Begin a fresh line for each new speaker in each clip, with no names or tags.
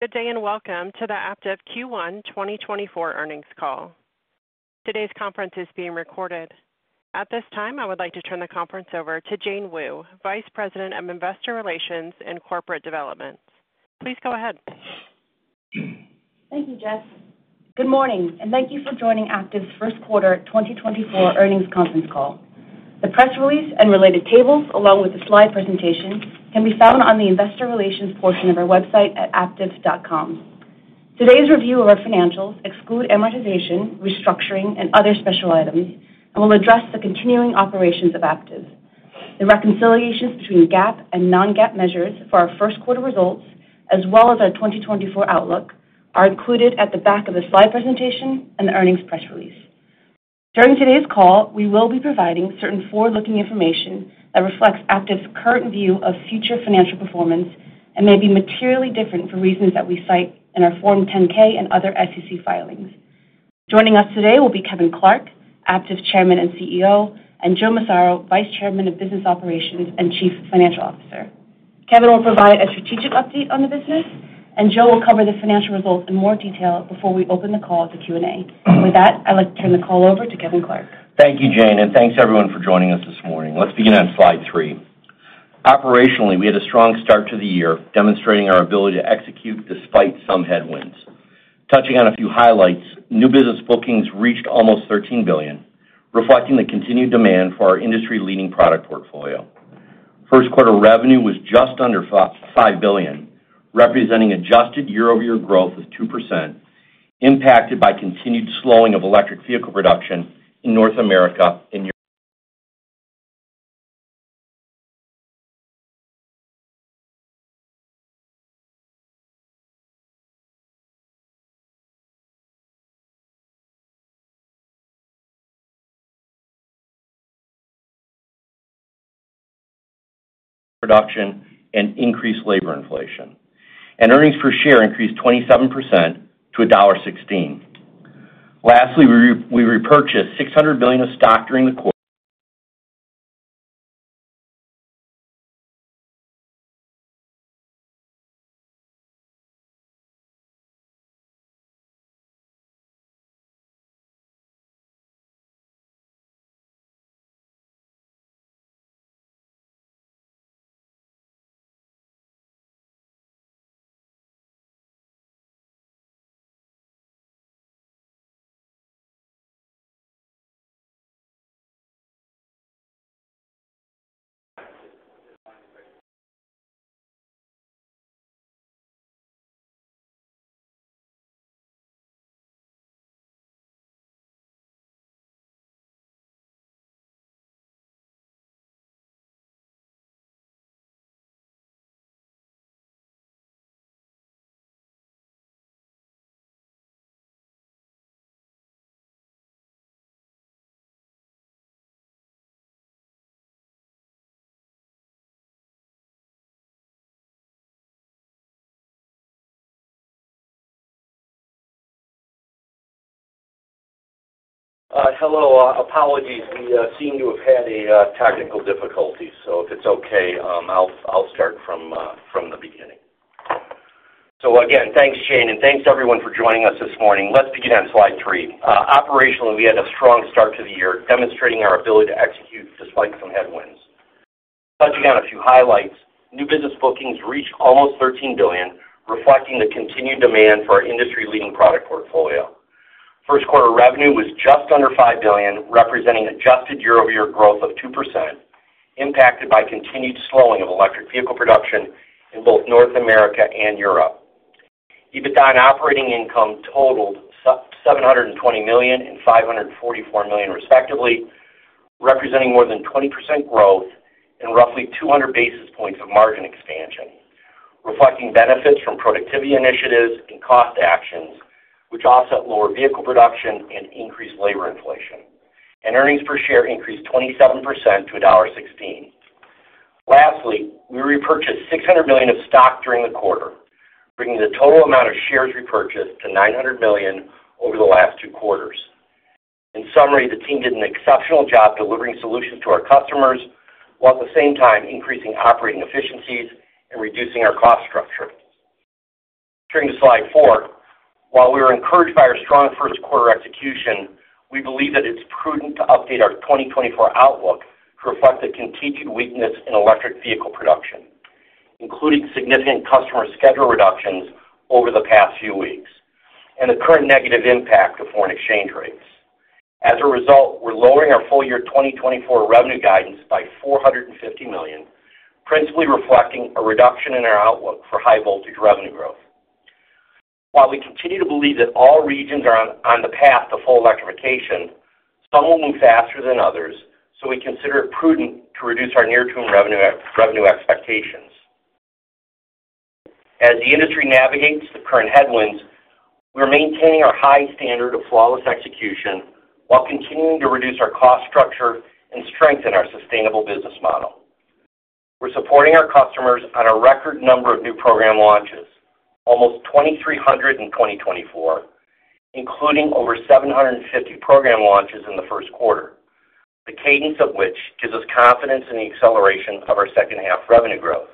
Good day, and welcome to the Aptiv Q1 2024 earnings call. Today's conference is being recorded. At this time, I would like to turn the conference over to Jane Wu, Vice President of Investor Relations and Corporate Development. Please go ahead.
Thank you, Jess. Good morning, and thank you for joining Aptiv's first quarter 2024 earnings conference call. The press release and related tables, along with the slide presentation, can be found on the investor relations portion of our website at aptiv.com. Today's review of our financials exclude amortization, restructuring, and other special items, and will address the continuing operations of Aptiv. The reconciliations between GAAP and non-GAAP measures for our first quarter results, as well as our 2024 outlook, are included at the back of the slide presentation and the earnings press release. During today's call, we will be providing certain forward-looking information that reflects Aptiv's current view of future financial performance and may be materially different for reasons that we cite in our Form 10-K and other SEC filings. Joining us today will be Kevin Clark, Aptiv's Chairman and CEO, and Joe Massaro, Vice Chairman of Business Operations and Chief Financial Officer. Kevin will provide a strategic update on the business, and Joe will cover the financial results in more detail before we open the call to Q&A. With that, I'd like to turn the call over to Kevin Clark.
Thank you, Jane, and thanks everyone for joining us this morning. Let's begin on slide three. Operationally, we had a strong start to the year, demonstrating our ability to execute despite some headwinds. Touching on a few highlights, new business bookings reached almost $13 billion, reflecting the continued demand for our industry-leading product portfolio. First quarter revenue was just under $5 billion, representing adjusted year-over-year growth of 2%, impacted by continued slowing of electric vehicle production in North America and Europe. Production and increased labor inflation, and earnings per share increased 27% to $1.16. Lastly, we repurchased $600 million of stock during the quarter- Hello, apologies. We seem to have had a technical difficulty, so if it's okay, I'll start from the beginning. So again, thanks, Jane, and thanks to everyone for joining us this morning. Let's begin on slide three. Operationally, we had a strong start to the year, demonstrating our ability to execute despite some headwinds. Touching on a few highlights, new business bookings reached almost $13 billion, reflecting the continued demand for our industry-leading product portfolio. First quarter revenue was just under $5 billion, representing adjusted year-over-year growth of 2%, impacted by continued slowing of electric vehicle production in both North America and Europe. EBITDA and operating income totaled $720 million and $544 million, respectively, representing more than 20% growth and roughly 200 basis points of margin expansion, reflecting benefits from productivity initiatives and cost actions, which offset lower vehicle production and increased labor inflation. Earnings per share increased 27% to $1.16. Lastly, we repurchased $600 million of stock during the quarter, bringing the total amount of shares repurchased to $900 million over the last two quarters. In summary, the team did an exceptional job delivering solutions to our customers, while at the same time, increasing operating efficiencies and reducing our cost structure. Turning to slide four. While we are encouraged by our strong first quarter execution, we believe that it's prudent to update our 2024 outlook to reflect the continued weakness in electric vehicle production, including significant customer schedule reductions over the past few weeks and the current negative impact of foreign exchange rates. As a result, we're lowering our full-year 2024 revenue guidance by $450 million, principally reflecting a reduction in our outlook for High Voltage revenue growth. While we continue to believe that all regions are on the path to full electrification, some will move faster than others, so we consider it prudent to reduce our near-term revenue expectations. As the industry navigates the current headwinds, we're maintaining our high standard of flawless execution while continuing to reduce our cost structure and strengthen our sustainable business model. We're supporting our customers on a record number of new program launches, almost 2,300 in 2024, including over 750 program launches in the first quarter. The cadence of which gives us confidence in the acceleration of our second half revenue growth.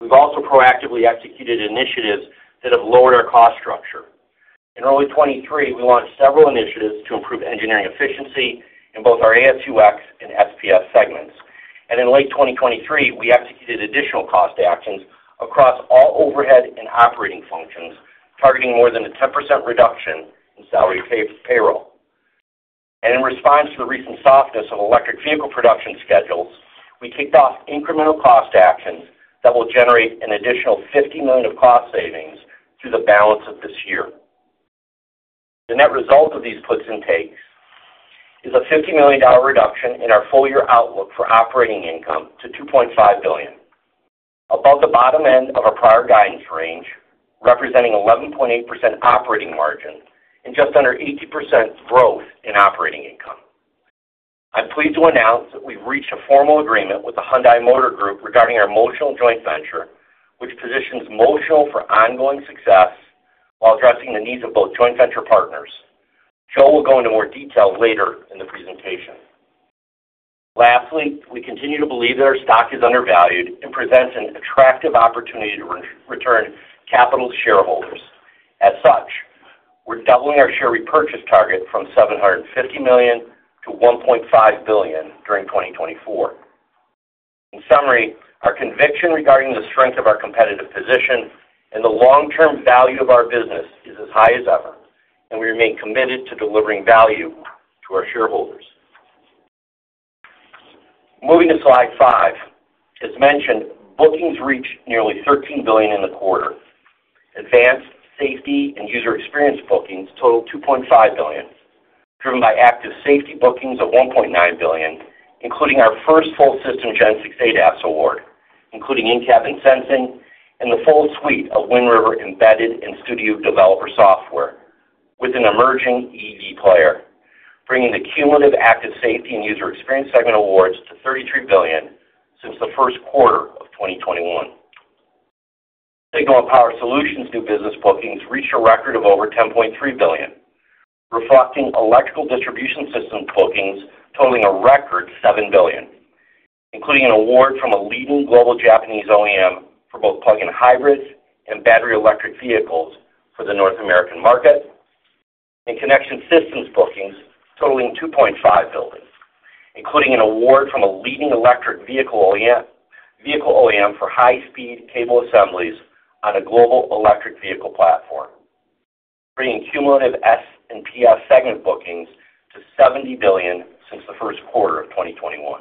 We've also proactively executed initiatives that have lowered our cost structure. In early 2023, we launched several initiatives to improve engineering efficiency in both our AS&UX and S&PS segments. In late 2023, we executed additional cost actions across all overhead and operating functions, targeting more than a 10% reduction in salaried payroll. In response to the recent softness of electric vehicle production schedules, we kicked off incremental cost actions that will generate an additional $50 million of cost savings through the balance of this year. The net result of these puts and takes is a $50 million reduction in our full-year outlook for operating income to $2.5 billion, above the bottom end of our prior guidance range, representing 11.8% operating margin and just under 80% growth in operating income. I'm pleased to announce that we've reached a formal agreement with the Hyundai Motor Group regarding our Motional joint venture, which positions Motional for ongoing success while addressing the needs of both joint venture partners. Joe will go into more detail later in the presentation. Lastly, we continue to believe that our stock is undervalued and presents an attractive opportunity to return capital to shareholders. As such, we're doubling our share repurchase target from $750 million to $1.5 billion during 2024. In summary, our conviction regarding the strength of our competitive position and the long-term value of our business is as high as ever, and we remain committed to delivering value to our shareholders. Moving to slide five. As mentioned, bookings reached nearly $13 billion in the quarter. Advanced Safety and User Experience bookings totaled $2.5 billion, driven by Active Safety bookings of $1.9 billion, including our first full system Gen 6 ADAS award, including in-cabin sensing and the full suite of Wind River Embedded and Studio Developer software, with an emerging EV player, bringing the cumulative Active Safety and User Experience segment awards to $33 billion since the first quarter of 2021. Signal and Power Solutions new business bookings reached a record of over $10.3 billion, reflecting electrical distribution system bookings totaling a record $7 billion, including an award from a leading global Japanese OEM for both plug-in hybrids and battery electric vehicles for the North American market, and connection systems bookings totaling $2.5 billion, including an award from a leading electric vehicle OEM, vehicle OEM for high-speed cable assemblies on a global electric vehicle platform, bringing cumulative S&PS segment bookings to $70 billion since the first quarter of 2021.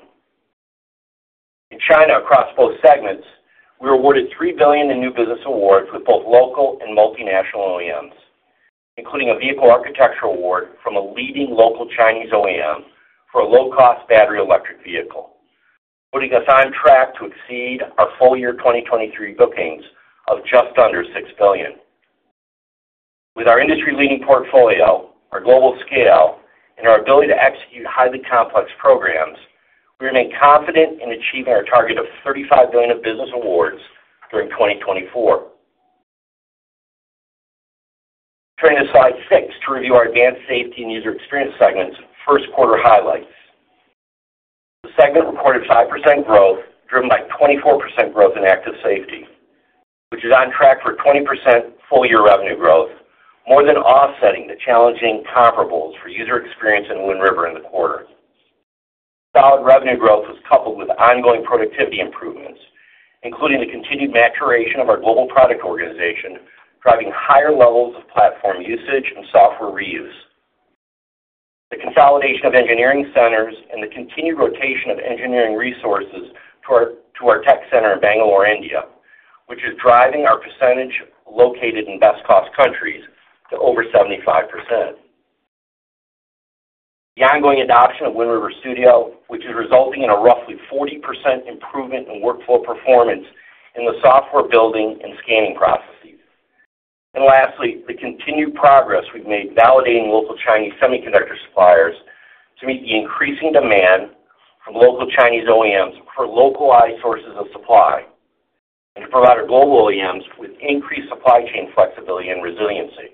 In China, across both segments, we were awarded $3 billion in new business awards with both local and multinational OEMs, including a vehicle architecture award from a leading local Chinese OEM for a low-cost battery electric vehicle, putting us on track to exceed our full year 2023 bookings of just under $6 billion. With our industry-leading portfolio, our global scale, and our ability to execute highly complex programs, we remain confident in achieving our target of $35 billion of business awards during 2024. Turning to slide six to review our Advanced Safety and User Experience segment's first quarter highlights. The segment reported 5% growth, driven by 24% growth in Active Safety, which is on track for 20% full-year revenue growth, more than offsetting the challenging comparables for user experience in Wind River in the quarter. Solid revenue growth was coupled with ongoing productivity improvements, including the continued maturation of our global product organization, driving higher levels of platform usage and software reuse. The consolidation of engineering centers and the continued rotation of engineering resources to our tech center in Bangalore, India, which is driving our percentage located in best-cost countries to over 75%. The ongoing adoption of Wind River Studio, which is resulting in a roughly 40% improvement in workflow performance in the software building and scanning processes. Lastly, the continued progress we've made validating local Chinese semiconductor suppliers to meet the increasing demand from local Chinese OEMs for localized sources of supply and to provide our global OEMs with increased supply chain flexibility and resiliency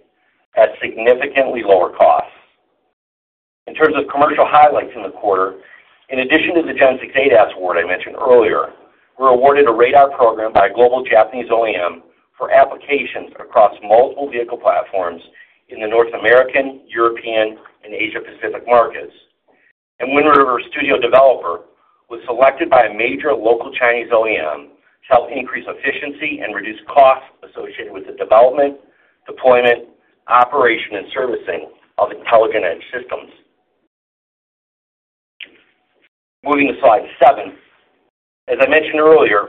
at significantly lower costs. In terms of commercial highlights in the quarter, in addition to the Gen 6 ADAS award I mentioned earlier, we were awarded a radar program by a global Japanese OEM for applications across multiple vehicle platforms in the North American, European, and Asia-Pacific markets. Wind River Studio Developer was selected by a major local Chinese OEM to help increase efficiency and reduce costs associated with the development, deployment, operation, and servicing of intelligent edge systems. Moving to slide seven. As I mentioned earlier,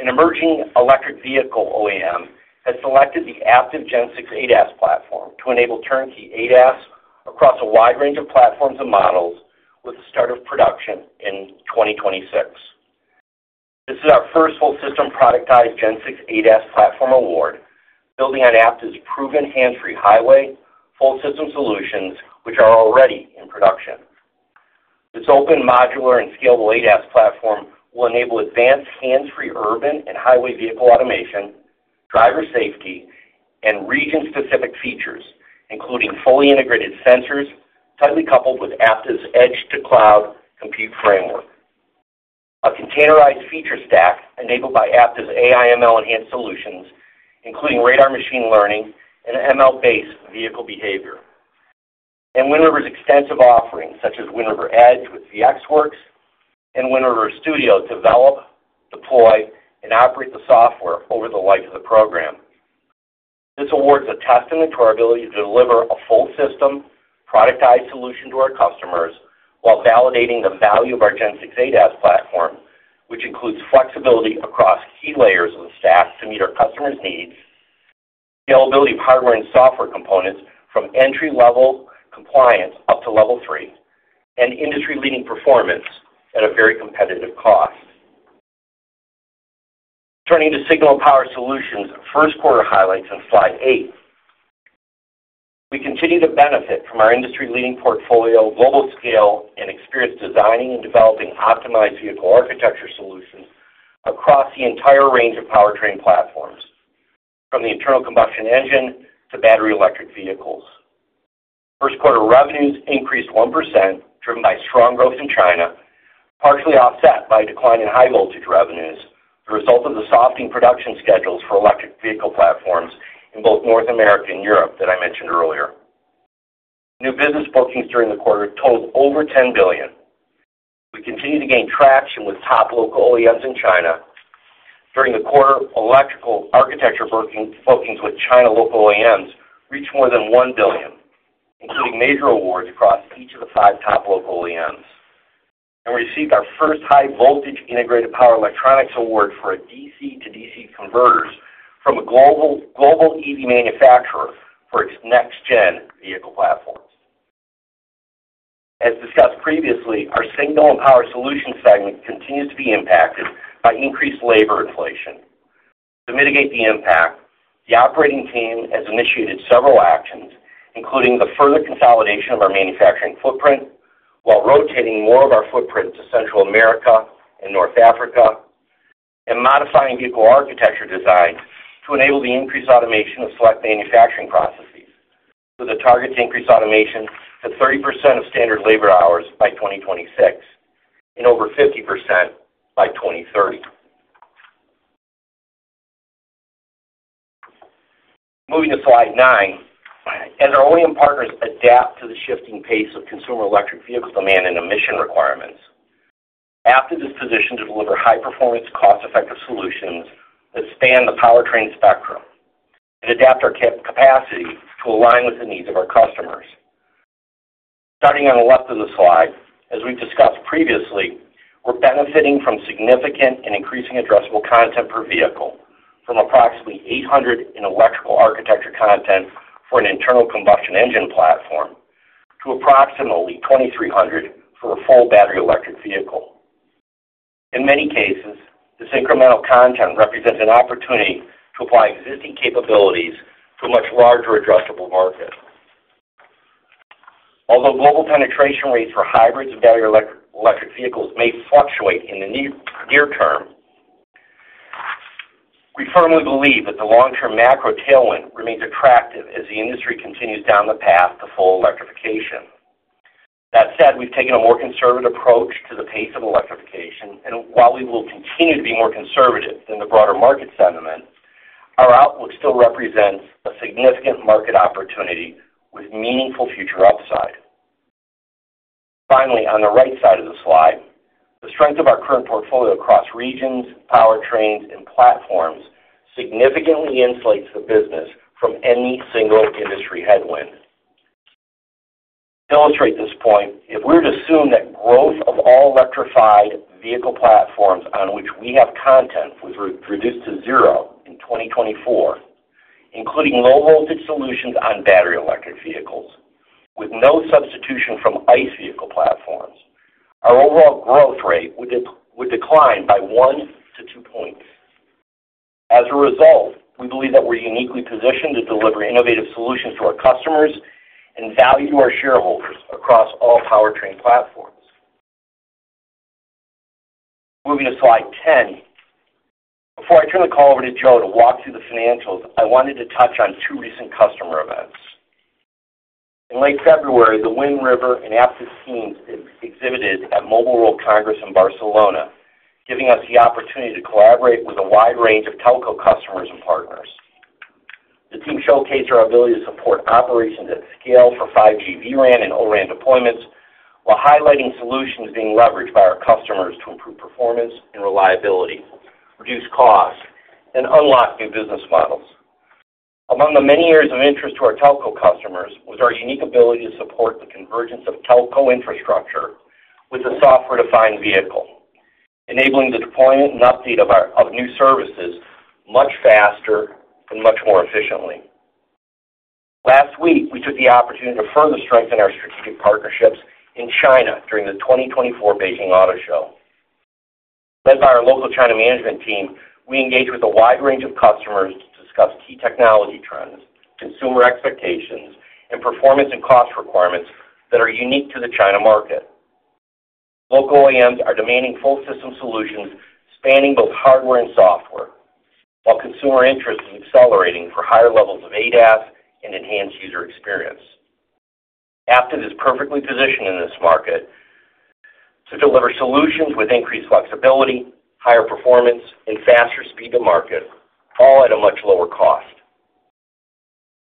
an emerging electric vehicle OEM has selected the Aptiv Gen 6 ADAS platform to enable turnkey ADAS across a wide range of platforms and models with the start of production in 2026. This is our first full system productized Gen 6 ADAS platform award, building on Aptiv's proven hands-free highway full system solutions, which are already in production. This open, modular, and scalable ADAS platform will enable advanced hands-free urban and highway vehicle automation, driver safety and region-specific features, including fully integrated sensors, tightly coupled with Aptiv's edge-to-cloud compute framework. A containerized feature stack enabled by Aptiv's AI/ML-enhanced solutions, including radar machine learning and ML-based vehicle behavior. And Wind River's extensive offerings, such as Wind River Edge with VxWorks and Wind River Studio, develop, deploy, and operate the software over the life of the program. This awards a testament to our ability to deliver a full system, productized solution to our customers, while validating the value of our Gen 6 ADAS platform, which includes flexibility across key layers of the stack to meet our customers' needs, scalability of hardware and software components from entry-level compliance up to Level 3, and industry-leading performance at a very competitive cost. Turning to Signal and Power Solutions, first quarter highlights on slide eight. We continue to benefit from our industry-leading portfolio, global scale, and experience designing and developing optimized vehicle architecture solutions across the entire range of powertrain platforms, from the internal combustion engine to battery electric vehicles. First quarter revenues increased 1%, driven by strong growth in China, partially offset by a decline in High Voltage revenues, the result of the softening production schedules for electric vehicle platforms in both North America and Europe that I mentioned earlier. New business bookings during the quarter totaled over $10 billion. We continue to gain traction with top local OEMs in China. During the quarter, electrical architecture win bookings with China local OEMs reached more than $1 billion, including major awards across each of the five top local OEMs, and we received our first High Voltage integrated power electronics award for a DC-to-DC converters from a global EV manufacturer for its next-gen vehicle platforms. As discussed previously, our Signal and Power Solutions segment continues to be impacted by increased labor inflation. To mitigate the impact, the operating team has initiated several actions, including the further consolidation of our manufacturing footprint, while rotating more of our footprint to Central America and North Africa, and modifying vehicle architecture design to enable the increased automation of select manufacturing processes, with a target to increase automation to 30% of standard labor hours by 2026 and over 50% by 2030. Moving to slide nine. As our OEM partners adapt to the shifting pace of consumer electric vehicle demand and emission requirements, Aptiv is positioned to deliver high-performance, cost-effective solutions that span the powertrain spectrum and adapt our capacity to align with the needs of our customers. Starting on the left of the slide, as we've discussed previously, we're benefiting from significant and increasing addressable content per vehicle from approximately $800 in electrical architecture content for an internal combustion engine platform to approximately $2,300 for a full battery electric vehicle. In many cases, this incremental content represents an opportunity to apply existing capabilities to a much larger addressable market. Although global penetration rates for hybrids and battery electric vehicles may fluctuate in the near-term, we firmly believe that the long-term macro tailwind remains attractive as the industry continues down the path to full electrification. That said, we've taken a more conservative approach to the pace of electrification, and while we will continue to be more conservative than the broader market sentiment, our outlook still represents a significant market opportunity with meaningful future upside. Finally, on the right side of the slide, the strength of our current portfolio across regions, powertrains, and platforms significantly insulates the business from any single industry headwind. To illustrate this point, if we were to assume that growth of all electrified vehicle platforms on which we have content was reduced to zero in 2024, including low-voltage solutions on battery electric vehicles, with no substitution from ICE vehicle platforms, our overall growth rate would decline by 1-2 points. As a result, we believe that we're uniquely positioned to deliver innovative solutions to our customers and value to our shareholders across all powertrain platforms. Moving to slide 10. Before I turn the call over to Joe to walk through the financials, I wanted to touch on two recent customer events. In late February, the Wind River and Aptiv teams exhibited at Mobile World Congress in Barcelona, giving us the opportunity to collaborate with a wide range of telco customers and partners. The team showcased our ability to support operations at scale for 5G vRAN and O-RAN deployments, while highlighting solutions being leveraged by our customers to improve performance and reliability, reduce costs, and unlock new business models. Among the many areas of interest to our telco customers was our unique ability to support the convergence of telco infrastructure with a software-defined vehicle, enabling the deployment and update of our new services much faster and much more efficiently. Last week, we took the opportunity to further strengthen our strategic partnerships in China during the 2024 Beijing Auto Show. Led by our local China management team, we engaged with a wide range of customers to discuss key technology trends, consumer expectations, and performance and cost requirements that are unique to the China market. Local OEMs are demanding full system solutions spanning both hardware and software, while consumer interest is accelerating for higher levels of ADAS and enhanced user experience. Aptiv is perfectly positioned in this market to deliver solutions with increased flexibility, higher performance, and faster speed to market, all at a much lower cost.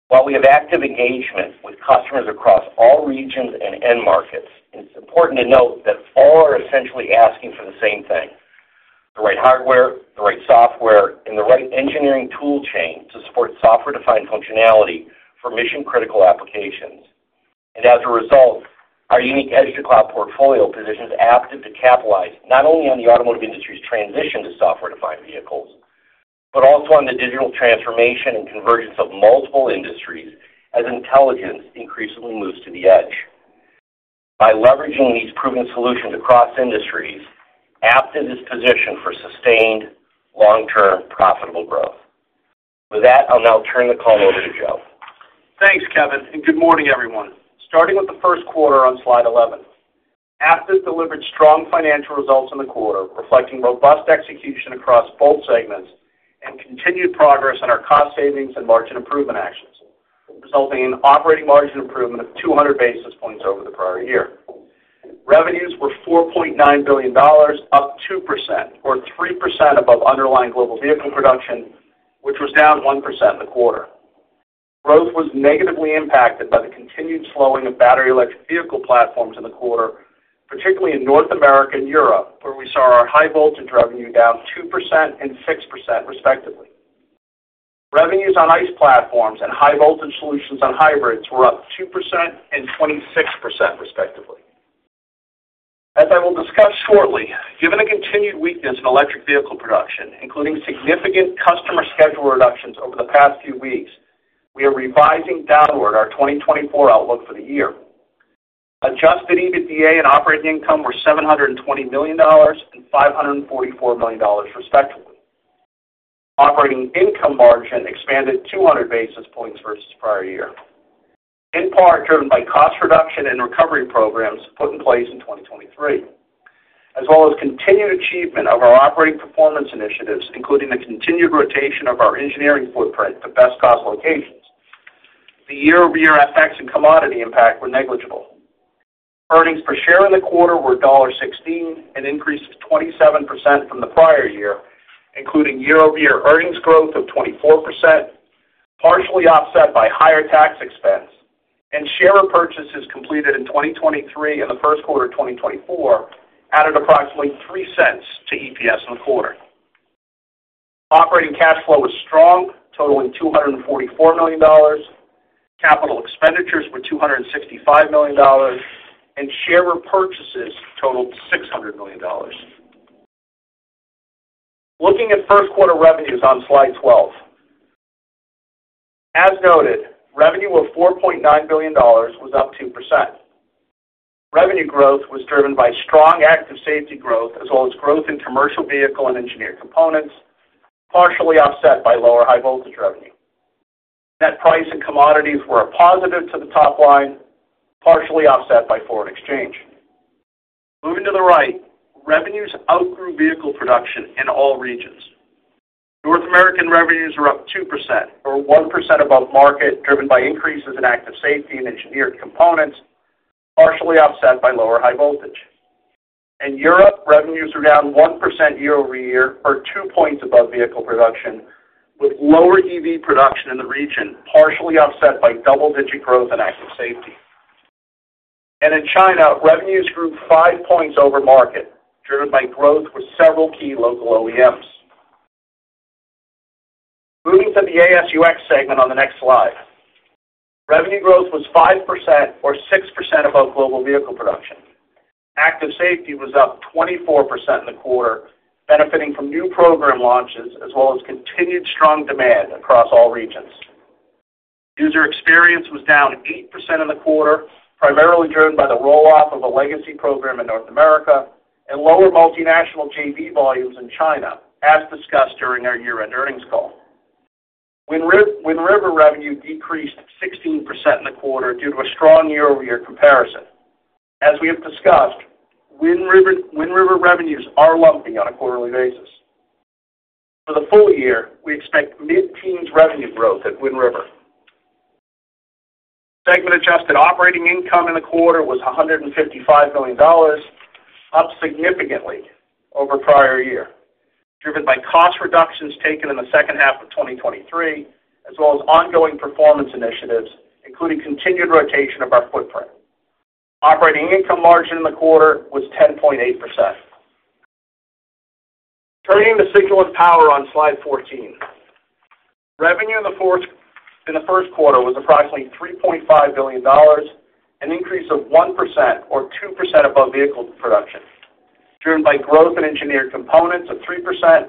While we have active engagement with customers across all regions and end markets, it's important to note that all are essentially asking for the same thing, the right hardware, the right software, and the right engineering tool chain to support software-defined functionality for mission-critical applications. As a result, our unique edge-to-cloud portfolio positions Aptiv to capitalize not only on the automotive industry's transition to software-defined vehicles, but also on the digital transformation and convergence of multiple industries as intelligence increasingly moves to the edge. By leveraging these proven solutions across industries, Aptiv is positioned for sustained long-term, profitable growth. With that, I'll now turn the call over to Joe.
Thanks, Kevin, and good morning, everyone. Starting with the first quarter on slide 11, Aptiv delivered strong financial results in the quarter, reflecting robust execution across both segments and continued progress on our cost savings and margin improvement actions, resulting in operating margin improvement of 200 basis points over the prior year. Revenues were $4.9 billion, up 2% or 3% above underlying global vehicle production, which was down 1% in the quarter. Growth was negatively impacted by the continued slowing of battery electric vehicle platforms in the quarter, particularly in North America and Europe, where we saw our High Voltage revenue down 2% and 6% respectively. Revenues on ICE platforms and High Voltage solutions on hybrids were up 2% and 26%, respectively. As I will discuss shortly, given the continued weakness in electric vehicle production, including significant customer schedule reductions over the past few weeks, we are revising downward our 2024 outlook for the year. Adjusted EBITDA and operating income were $720 million and $544 million, respectively. Operating income margin expanded 200 basis points versus prior year, in part driven by cost reduction and recovery programs put in place in 2023, as well as continued achievement of our operating performance initiatives, including the continued rotation of our engineering footprint to best cost locations. The year-over-year FX and commodity impact were negligible. Earnings per share in the quarter were $16, an increase of 27% from the prior year, including year-over-year earnings growth of 24%, partially offset by higher tax expense and share repurchases completed in 2023 and the first quarter of 2024, added approximately $0.03 to EPS in the quarter. Operating cash flow was strong, totaling $244 million. Capital expenditures were $265 million, and share repurchases totaled $600 million. Looking at first quarter revenues on slide 12. As noted, revenue of $4.9 billion was up 2%. Revenue growth was driven by strong Active Safety growth, as well as growth in commercial vehicle and engineered components, partially offset by lower High Voltage revenue. Net price and commodities were a positive to the top line, partially offset by foreign exchange. Moving to the right, revenues outgrew vehicle production in all regions. North American revenues were up 2% or 1% above market, driven by increases in Active Safety and Engineered Components, partially offset by lower High Voltage. In Europe, revenues were down 1% year-over-year or 2 points above vehicle production, with lower EV production in the region, partially offset by double-digit growth in Active Safety. In China, revenues grew 5 points over market, driven by growth with several key local OEMs. Moving to the AS&UX segment on the next slide. Revenue growth was 5% or 6% above global vehicle production. Active Safety was up 24% in the quarter, benefiting from new program launches, as well as continued strong demand across all regions. User Experience was down 8% in the quarter, primarily driven by the roll-off of a legacy program in North America and lower multinational JV volumes in China, as discussed during our year-end earnings call. Wind River, Wind River revenue decreased 16% in the quarter due to a strong year-over-year comparison. As we have discussed, Wind River, Wind River revenues are lumpy on a quarterly basis. For the full year, we expect mid-teens revenue growth at Wind River. Segment adjusted operating income in the quarter was $155 million, up significantly over prior year, driven by cost reductions taken in the second half of 2023, as well as ongoing performance initiatives, including continued rotation of our footprint. Operating income margin in the quarter was 10.8%. Turning to Signal and Power on slide 14. Revenue in the first quarter was approximately $3.5 billion, an increase of 1% or 2% above vehicle production, driven by growth in engineered components of 3%.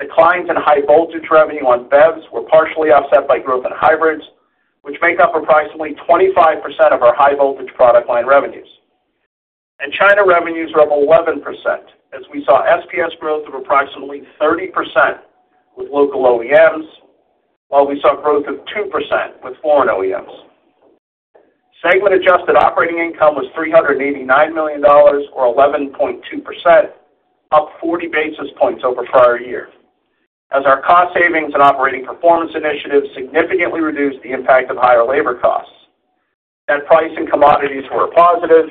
Declines in High Voltage revenue on BEVs were partially offset by growth in hybrids, which make up approximately 25% of our High Voltage product line revenues. China revenues were up 11%, as we saw S&PS growth of approximately 30% with local OEMs while we saw growth of 2% with foreign OEMs. Segment adjusted operating income was $389 million or 11.2%, up 40 basis points over prior year. As our cost savings and operating performance initiatives significantly reduced the impact of higher labor costs, and pricing commodities were positive,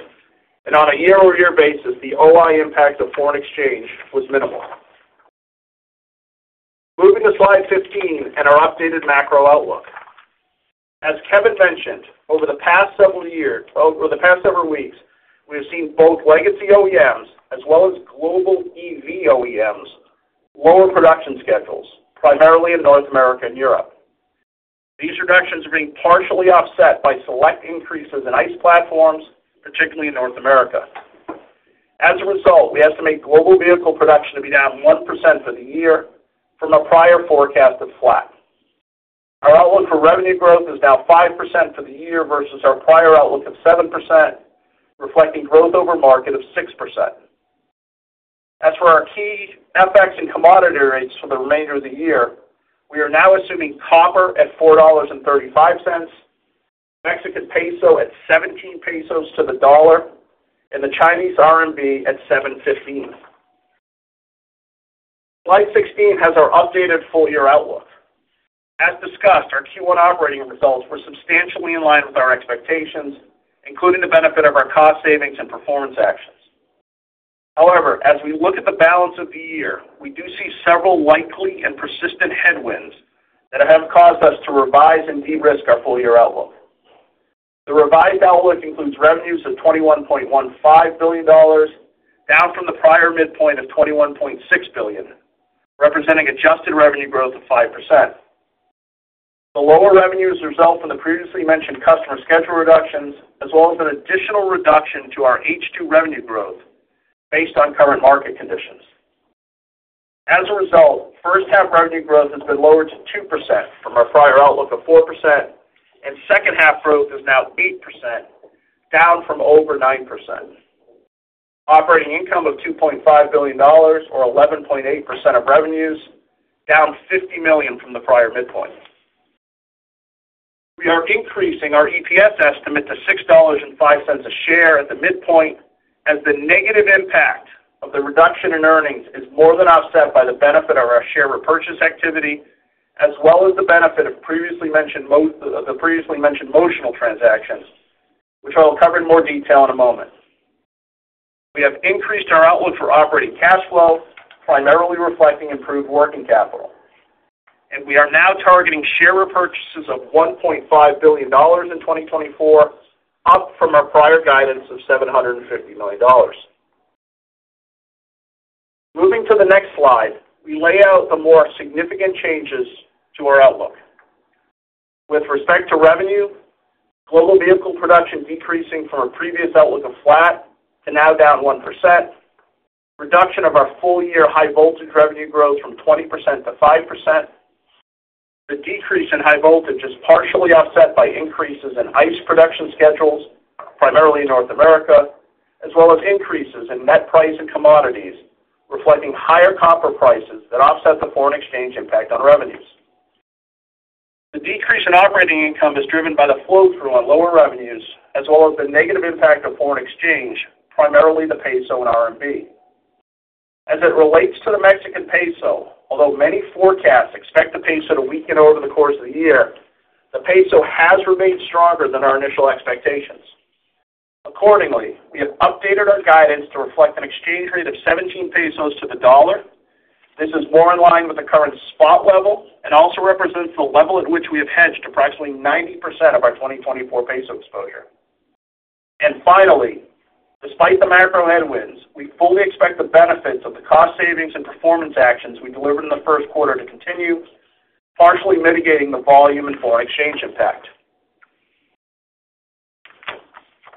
and on a year-over-year basis, the OI impact of foreign exchange was minimal. Moving to slide 15 and our updated macro outlook. As Kevin mentioned, over the past several weeks, we have seen both legacy OEMs as well as global EV OEMs, lower production schedules, primarily in North America and Europe. These reductions are being partially offset by select increases in ICE platforms, particularly in North America. As a result, we estimate global vehicle production to be down 1% for the year from a prior forecast of flat. Our outlook for revenue growth is now 5% for the year versus our prior outlook of 7%, reflecting growth over market of 6%. As for our key FX and commodity rates for the remainder of the year, we are now assuming copper at $4.35, Mexican peso at 17 pesos to the dollar, and the Chinese RMB at 7.15. Slide 16 has our updated full-year outlook. As discussed, our Q1 operating results were substantially in line with our expectations, including the benefit of our cost savings and performance actions. However, as we look at the balance of the year, we do see several likely and persistent headwinds that have caused us to revise and de-risk our full-year outlook. The revised outlook includes revenues of $21.15 billion, down from the prior midpoint of $21.6 billion, representing adjusted revenue growth of 5%. The lower revenues result from the previously mentioned customer schedule reductions, as well as an additional reduction to our H2 revenue growth based on current market conditions. As a result, first half revenue growth has been lowered to 2% from our prior outlook of 4%, and second half growth is now 8%, down from over 9%. Operating income of $2.5 billion, or 11.8% of revenues, down $50 million from the prior midpoint. We are increasing our EPS estimate to $6.05 a share at the midpoint, as the negative impact of the reduction in earnings is more than offset by the benefit of our share repurchase activity, as well as the benefit of previously mentioned Motional transactions, which I'll cover in more detail in a moment. We have increased our outlook for operating cash flow, primarily reflecting improved working capital, and we are now targeting share repurchases of $1.5 billion in 2024, up from our prior guidance of $750 million. Moving to the next slide, we lay out the more significant changes to our outlook. With respect to revenue, global vehicle production decreasing from our previous outlook of flat to now down 1%. Reduction of our full-year High Voltage revenue growth from 20% to 5%. The decrease in High Voltage is partially offset by increases in ICE production schedules, primarily in North America, as well as increases in net price and commodities, reflecting higher copper prices that offset the foreign exchange impact on revenues. The decrease in operating income is driven by the flow-through on lower revenues, as well as the negative impact of foreign exchange, primarily the peso and RMB. As it relates to the Mexican peso, although many forecasts expect the peso to weaken over the course of the year, the peso has remained stronger than our initial expectations. Accordingly, we have updated our guidance to reflect an exchange rate of 17 pesos to the dollar. This is more in line with the current spot level and also represents the level at which we have hedged approximately 90% of our 2024 peso exposure. And finally, despite the macro headwinds, we fully expect the benefits of the cost savings and performance actions we delivered in the first quarter to continue, partially mitigating the volume and foreign exchange impact.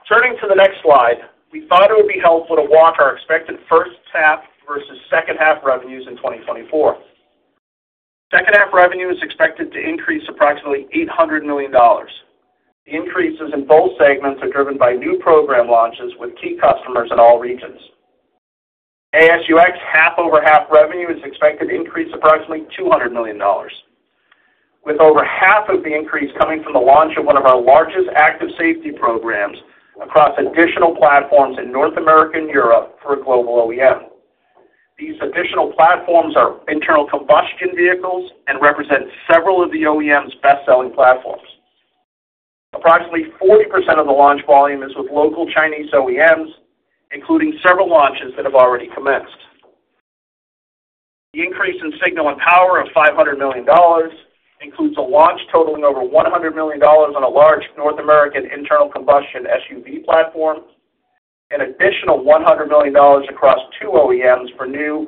Turning to the next slide, we thought it would be helpful to walk our expected first half versus second half revenues in 2024. Second half revenue is expected to increase approximately $800 million. The increases in both segments are driven by new program launches with key customers in all regions. AS&UX half-over-half revenue is expected to increase approximately $200 million, with over half of the increase coming from the launch of one of our largest Active Safety programs across additional platforms in North America and Europe for a global OEM. These additional platforms are internal combustion vehicles and represent several of the OEM's best-selling platforms. Approximately 40% of the launch volume is with local Chinese OEMs, including several launches that have already commenced. The increase in signal and power of $500 million includes a launch totaling over $100 million on a large North American internal combustion SUV platform, an additional $100 million across two OEMs for new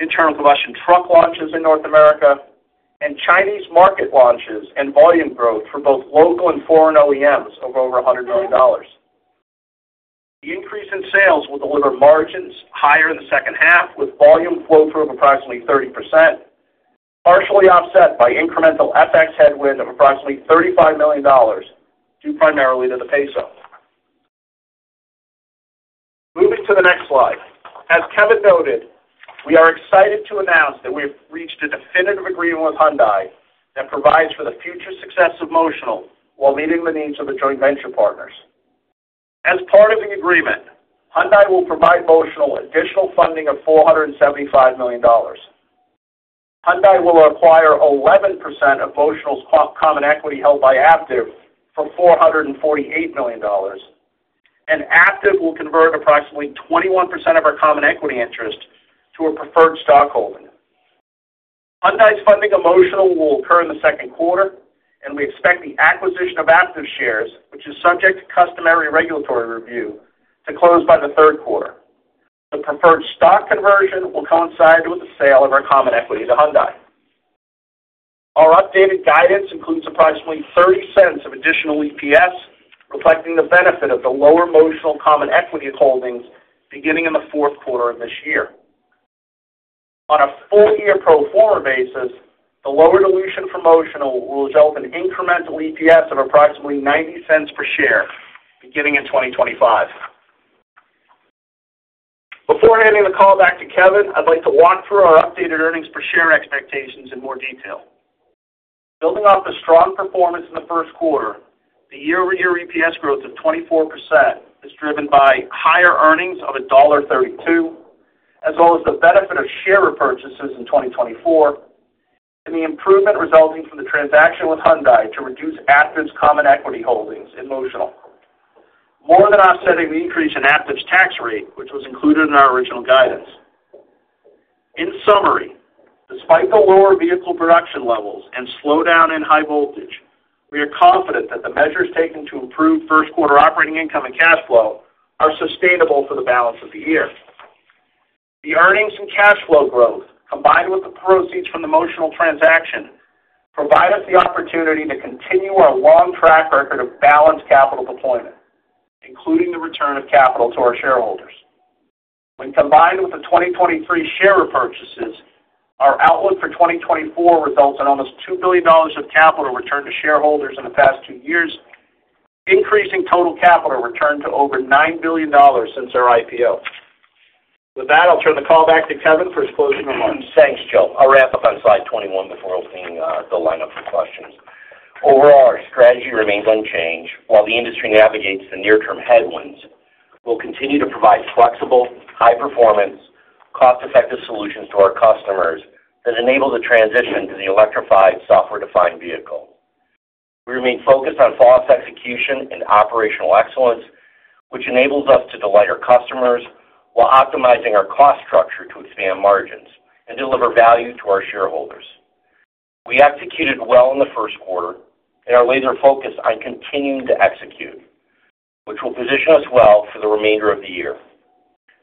internal combustion truck launches in North America, and Chinese market launches and volume growth for both local and foreign OEMs of over $100 million. The increase in sales will deliver margins higher in the second half, with volume flow-through of approximately 30%, partially offset by incremental FX headwind of approximately $35 million, due primarily to the peso. Moving to the next slide. As Kevin noted, we are excited to announce that we've reached a definitive agreement with Hyundai that provides for the future success of Motional, while meeting the needs of the joint venture partners. As part of the agreement, Hyundai will provide Motional additional funding of $475 million. Hyundai will acquire 11% of Motional's common equity held by Aptiv for $448 million, and Aptiv will convert approximately 21% of our common equity interest to a preferred stockholding. Hyundai's funding of Motional will occur in the second quarter, and we expect the acquisition of Aptiv shares, which is subject to customary regulatory review, to close by the third quarter. The preferred stock conversion will coincide with the sale of our common equity to Hyundai. Our updated guidance includes approximately $0.30 of additional EPS, reflecting the benefit of the lower Motional common equity holdings beginning in the fourth quarter of this year. On a full-year pro forma basis, the lower dilution from Motional will result in incremental EPS of approximately $0.90 per share, beginning in 2025. Before handing the call back to Kevin, I'd like to walk through our updated earnings per share expectations in more detail. Building off the strong performance in the first quarter, the year-over-year EPS growth of 24% is driven by higher earnings of $1.32, as well as the benefit of share repurchases in 2024, and the improvement resulting from the transaction with Hyundai to reduce Aptiv's common equity holdings in Motional, more than offsetting the increase in Aptiv's tax rate, which was included in our original guidance. In summary, despite the lower vehicle production levels and slowdown in High Voltage, we are confident that the measures taken to improve first quarter operating income and cash flow are sustainable for the balance of the year. The earnings and cash flow growth, combined with the proceeds from the Motional transaction, provide us the opportunity to continue our long track record of balanced capital deployment, including the return of capital to our shareholders. When combined with the 2023 share repurchases, our outlook for 2024 results in almost $2 billion of capital returned to shareholders in the past two years, increasing total capital return to over $9 billion since our IPO. With that, I'll turn the call back to Kevin for his closing remarks.
Thanks, Joe. I'll wrap up on slide 21 before opening the line up for questions. Overall, our strategy remains unchanged. While the industry navigates the near-term headwinds, we'll continue to provide flexible, high-performance, cost-effective solutions to our customers that enable the transition to the electrified, software-defined vehicle. We remain focused on fast execution and operational excellence, which enables us to delight our customers while optimizing our cost structure to expand margins and deliver value to our shareholders. We executed well in the first quarter, and are laser focused on continuing to execute, which will position us well for the remainder of the year.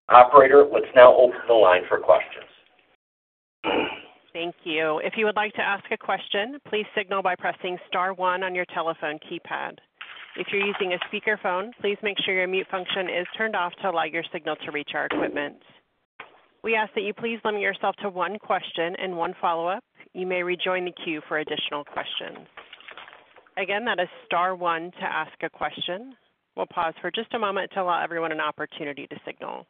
Operator, let's now open the line for questions.
Thank you. If you would like to ask a question, please signal by pressing star one on your telephone keypad. If you're using a speakerphone, please make sure your mute function is turned off to allow your signal to reach our equipment. We ask that you please limit yourself to one question and one follow-up. You may rejoin the queue for additional questions. Again, that is star one to ask a question. We'll pause for just a moment to allow everyone an opportunity to signal.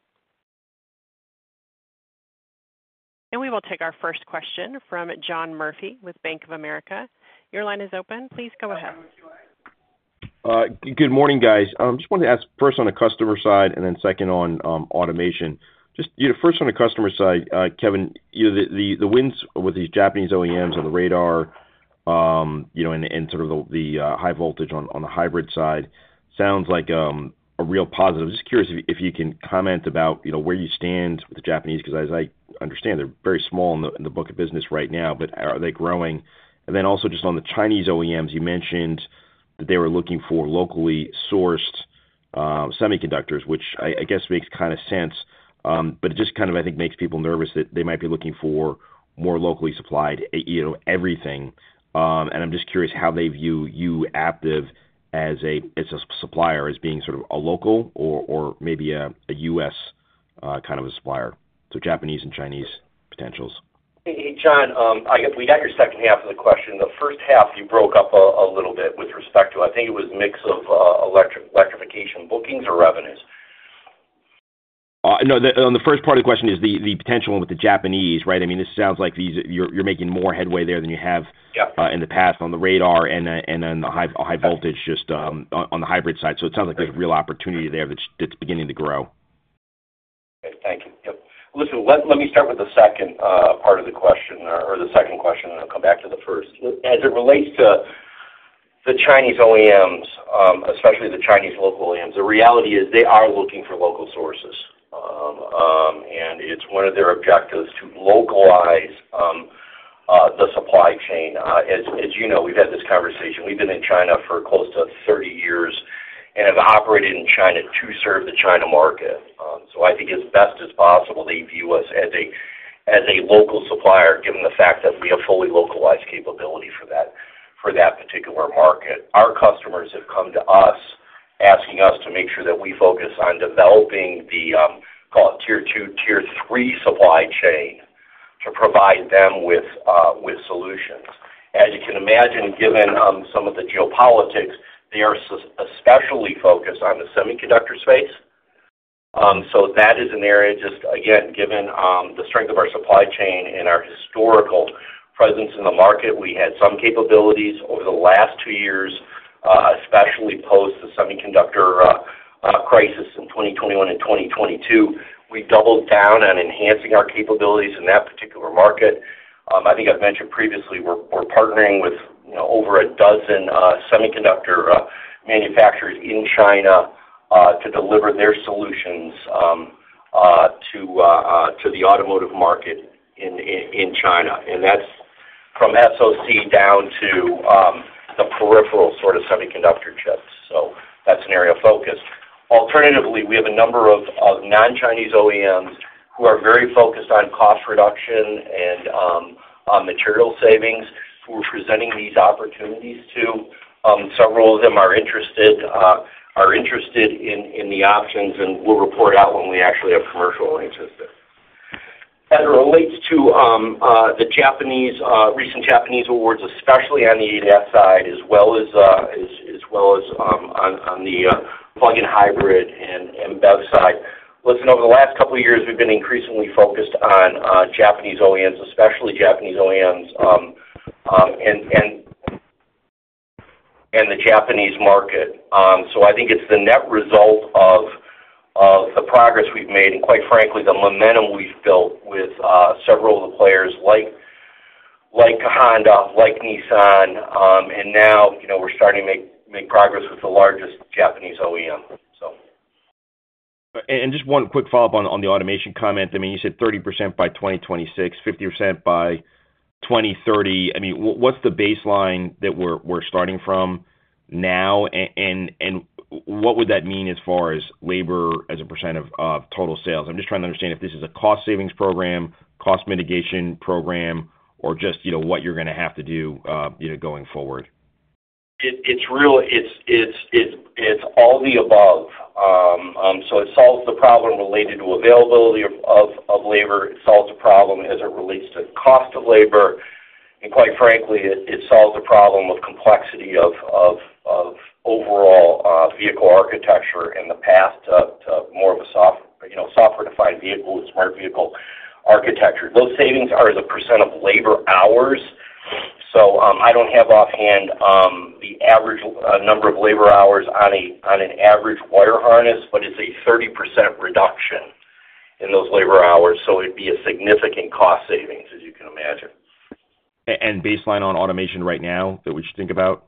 And we will take our first question from John Murphy with Bank of America. Your line is open. Please go ahead.
Good morning, guys. Just wanted to ask first on the customer side and then second on automation. Just, you know, first on the customer side, Kevin, you know, the wins with these Japanese OEMs on the radar, you know, and sort of the High Voltage on the hybrid side sounds like a real positive. I'm just curious if you can comment about, you know, where you stand with the Japanese, 'cause as I understand, they're very small in the book of business right now, but are they growing? And then also, just on the Chinese OEMs, you mentioned that they were looking for locally sourced semiconductors, which I guess makes kind of sense. But it just kind of, I think, makes people nervous that they might be looking for more locally supplied, you know, everything. And I'm just curious how they view you, Aptiv, as a supplier, as being sort of a local or maybe a U.S. kind of a supplier. So Japanese and Chinese potentials.
Hey, hey, John, I guess we got your second half of the question. The first half, you broke up a little bit with respect to I think it was mix of electrification, bookings, or revenues.
No, on the first part of the question is the potential with the Japanese, right? I mean, this sounds like you're making more headway there than you have-
Yeah
In the past on the radar and then the High Voltage just on the hybrid side. So it sounds like there's a real opportunity there that's beginning to grow.
Thank you. Yep. Listen, let me start with the second part of the question or the second question, and I'll come back to the first. As it relates to the Chinese OEMs, especially the Chinese local OEMs, the reality is they are looking for local sources. It's one of their objectives to localize the supply chain. As you know, we've had this conversation. We've been in China for close to 30 years and have operated in China to serve the China market. I think as best as possible, they view us as a local supplier, given the fact that we have fully localized capability for that particular market. Our customers have come to us, asking us to make sure that we focus on developing the, call it Tier 2, Tier 3 supply chain to provide them with solutions. As you can imagine, given some of the geopolitics, they are especially focused on the semiconductor space. So that is an area just, again, given the strength of our supply chain and our historical presence in the market, we had some capabilities over the last two years, especially post the semiconductor crisis in 2021 and 2022. We doubled down on enhancing our capabilities in that particular market. I think I've mentioned previously, we're partnering with, you know, over a dozen semiconductor manufacturers in China to deliver their solutions to the automotive market in China, and that's from SOC down to the peripheral sort of semiconductor chips. So that's an area of focus. Alternatively, we have a number of non-Chinese OEMs who are very focused on cost reduction and on material savings, who we're presenting these opportunities to. Several of them are interested in the options, and we'll report out when we actually have commercial interest there. As it relates to the recent Japanese awards, especially on the ADAS side, as well as on the plug-in hybrid and BEV side. Listen, over the last couple of years, we've been increasingly focused on Japanese OEMs, especially Japanese OEMs, and the Japanese market. So I think it's the net result of the progress we've made and, quite frankly, the momentum we've built with several of the players like Honda, like Nissan, and now, you know, we're starting to make progress with the largest Japanese OEM, so.
Just one quick follow-up on the automation comment. I mean, you said 30% by 2026, 50% by 2030. I mean, what's the baseline that we're starting from now? And what would that mean as far as labor as a percent of total sales? I'm just trying to understand if this is a cost savings program, cost mitigation program, or just, you know, what you're gonna have to do, you know, going forward.
It's real. It's all the above. So it solves the problem related to availability of labor. It solves the problem as it relates to cost of labor, and quite frankly, it solves the problem of complexity of overall vehicle architecture in the past to more of a you know, software-defined vehicle with Smart Vehicle Architecture. Those savings are as a percent of labor hours. I don't have offhand the average number of labor hours on an average wire harness, but it's a 30% reduction in those labor hours, so it'd be a significant cost savings, as you can imagine.
And baseline on automation right now that we should think about?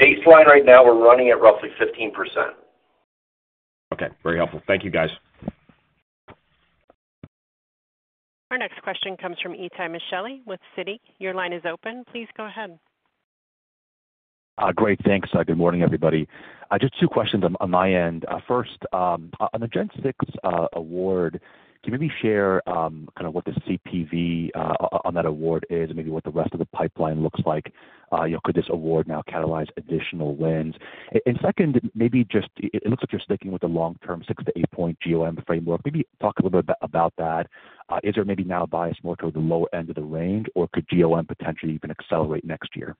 Baseline right now, we're running at roughly 15%.
Okay, very helpful. Thank you, guys.
Our next question comes from Itay Michaeli with Citi. Your line is open. Please go ahead.
Great, thanks. Good morning, everybody. Just two questions on my end. First, on the Gen 6 award, can you maybe share kind of what the CPV on that award is, and maybe what the rest of the pipeline looks like? You know, could this award now catalyze additional wins? And second, maybe just it looks like you're sticking with the long-term 6-8 point GoM framework. Maybe talk a little bit about that. Is there maybe now a bias more toward the lower end of the range, or could GoM potentially even accelerate next year?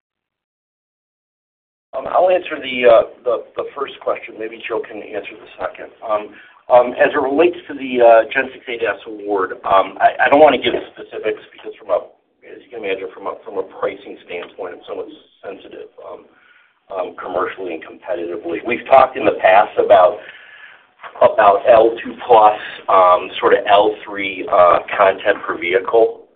I'll answer the first question. Maybe Joe can answer the second. As it relates to the Gen 6 ADAS award, I don't want to give specifics because from a—as you can imagine, from a pricing standpoint, it's somewhat sensitive, commercially and competitively. We've talked in the past about L2+, sort of L3, content per vehicle.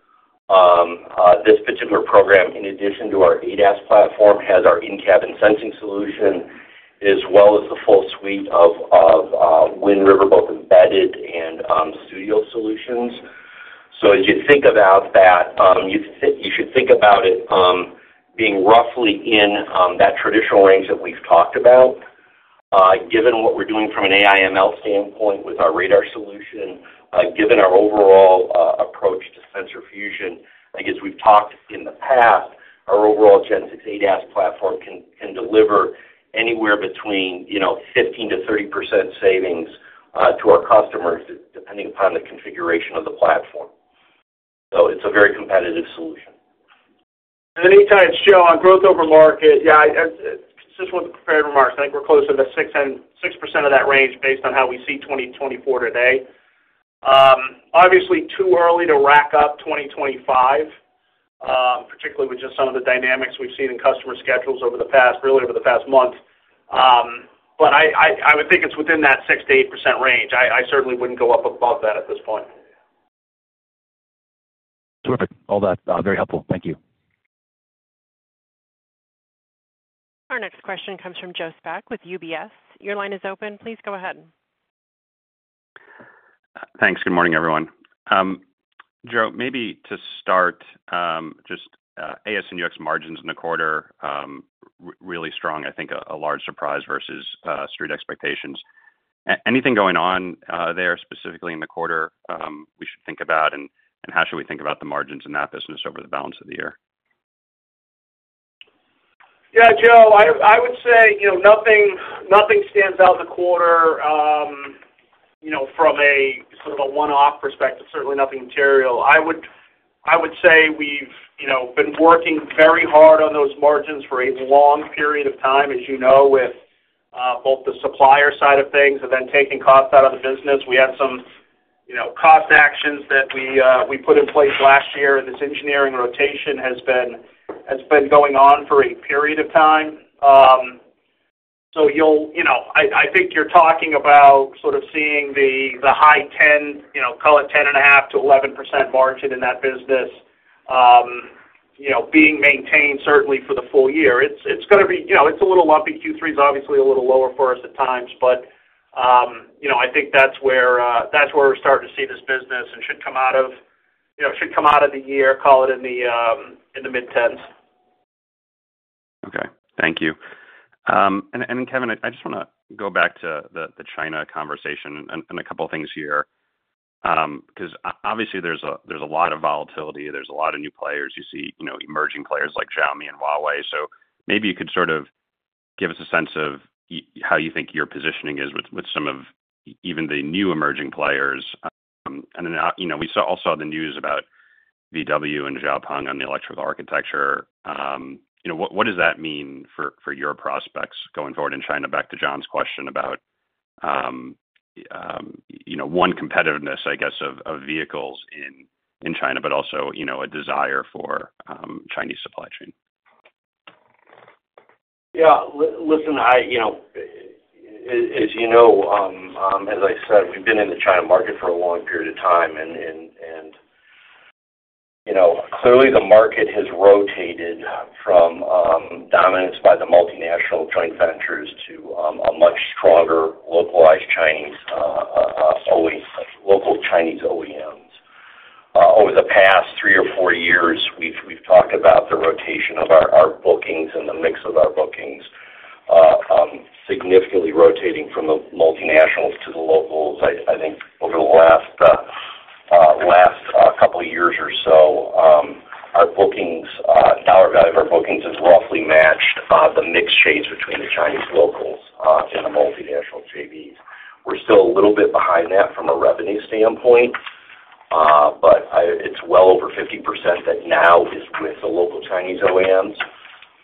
This particular program, in addition to our ADAS platform, has our in-cabin sensing solution, as well as the full suite of Wind River, both embedded and studio solutions. So as you think about that, you should think about it, being roughly in that traditional range that we've talked about. Given what we're doing from an AI/ML standpoint with our radar solution, given our overall approach to sensor fusion, I guess we've talked in the past, our overall Gen 6 ADAS platform can, can deliver anywhere between, you know, 15%-30% savings to our customers, depending upon the configuration of the platform. So it's a very competitive solution.
Itay, it's Joe, on growth over market, yeah, I consistent with the prepared remarks, I think we're closer to the 6% of that range based on how we see 2024 today. Obviously, too early to rack up 2025, particularly with just some of the dynamics we've seen in customer schedules over the past, really over the past month. But I would think it's within that 6%-8% range. I certainly wouldn't go up above that at this point.
Terrific. All that, very helpful. Thank you.
Our next question comes from Joe Spak with UBS. Your line is open. Please go ahead.
Thanks. Good morning, everyone. Joe, maybe to start, just AS and UX margins in the quarter really strong, I think a large surprise versus street expectations. Anything going on there, specifically in the quarter we should think about, and how should we think about the margins in that business over the balance of the year?...
Yeah, Joe, I, I would say, you know, nothing, nothing stands out in the quarter, you know, from a sort of a one-off perspective, certainly nothing material. I would, I would say we've, you know, been working very hard on those margins for a long period of time, as you know, with both the supplier side of things and then taking costs out of the business. We had some, you know, cost actions that we, we put in place last year, and this engineering rotation has been, has been going on for a period of time. So you'll, you know, I, I think you're talking about sort of seeing the, the high 10%, you know, call it 10.5%-11% margin in that business, you know, being maintained certainly for the full year. It's, it's gonna be, you know, it's a little lumpy. Q3 is obviously a little lower for us at times, but, you know, I think that's where, that's where we're starting to see this business and should come out of, you know, should come out of the year, call it in the, in the mid-10s.
Okay. Thank you. And Kevin, I just wanna go back to the China conversation and a couple of things here. 'Cause obviously, there's a lot of volatility, there's a lot of new players. You see, you know, emerging players like Xiaomi and Huawei. So maybe you could sort of give us a sense of how you think your positioning is with some of even the new emerging players. And you know, we saw also on the news about VW and XPeng on the electrical architecture. You know, what does that mean for your prospects going forward in China? Back to John's question about, you know, competitiveness, I guess, of vehicles in China, but also, you know, a desire for Chinese supply chain.
Yeah, listen, you know, as you know, as I said, we've been in the China market for a long period of time, and you know, clearly the market has rotated from dominance by the multinational joint ventures to a much stronger localized Chinese OEM, local Chinese OEMs. Over the past three or four years, we've talked about the rotation of our bookings and the mix of our bookings significantly rotating from the multinationals to the locals. I think over the last couple of years or so, our bookings, the dollar value of our bookings has roughly matched the mix shades between the Chinese locals and the multinational JVs. We're still a little bit behind that from a revenue standpoint, but it's well over 50% that now is with the local Chinese OEMs.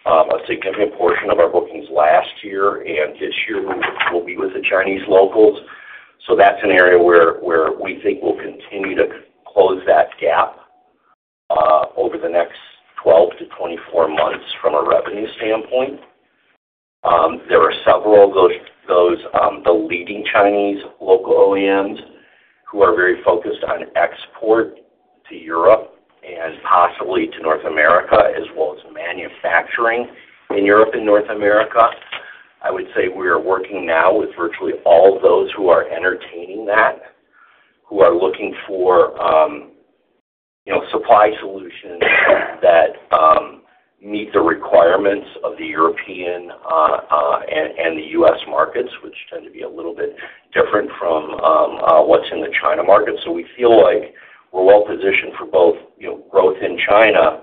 A significant portion of our bookings last year and this year will be with the Chinese locals. So that's an area where we think we'll continue to close that gap over the next 12-24 months from a revenue standpoint. There are several of those the leading Chinese local OEMs, who are very focused on export to Europe and possibly to North America, as well as manufacturing in Europe and North America. I would say we are working now with virtually all those who are entertaining that, who are looking for, you know, supply solutions that meet the requirements of the European and the U.S. markets, which tend to be a little bit different from what's in the China market. So we feel like we're well-positioned for both, you know, growth in China,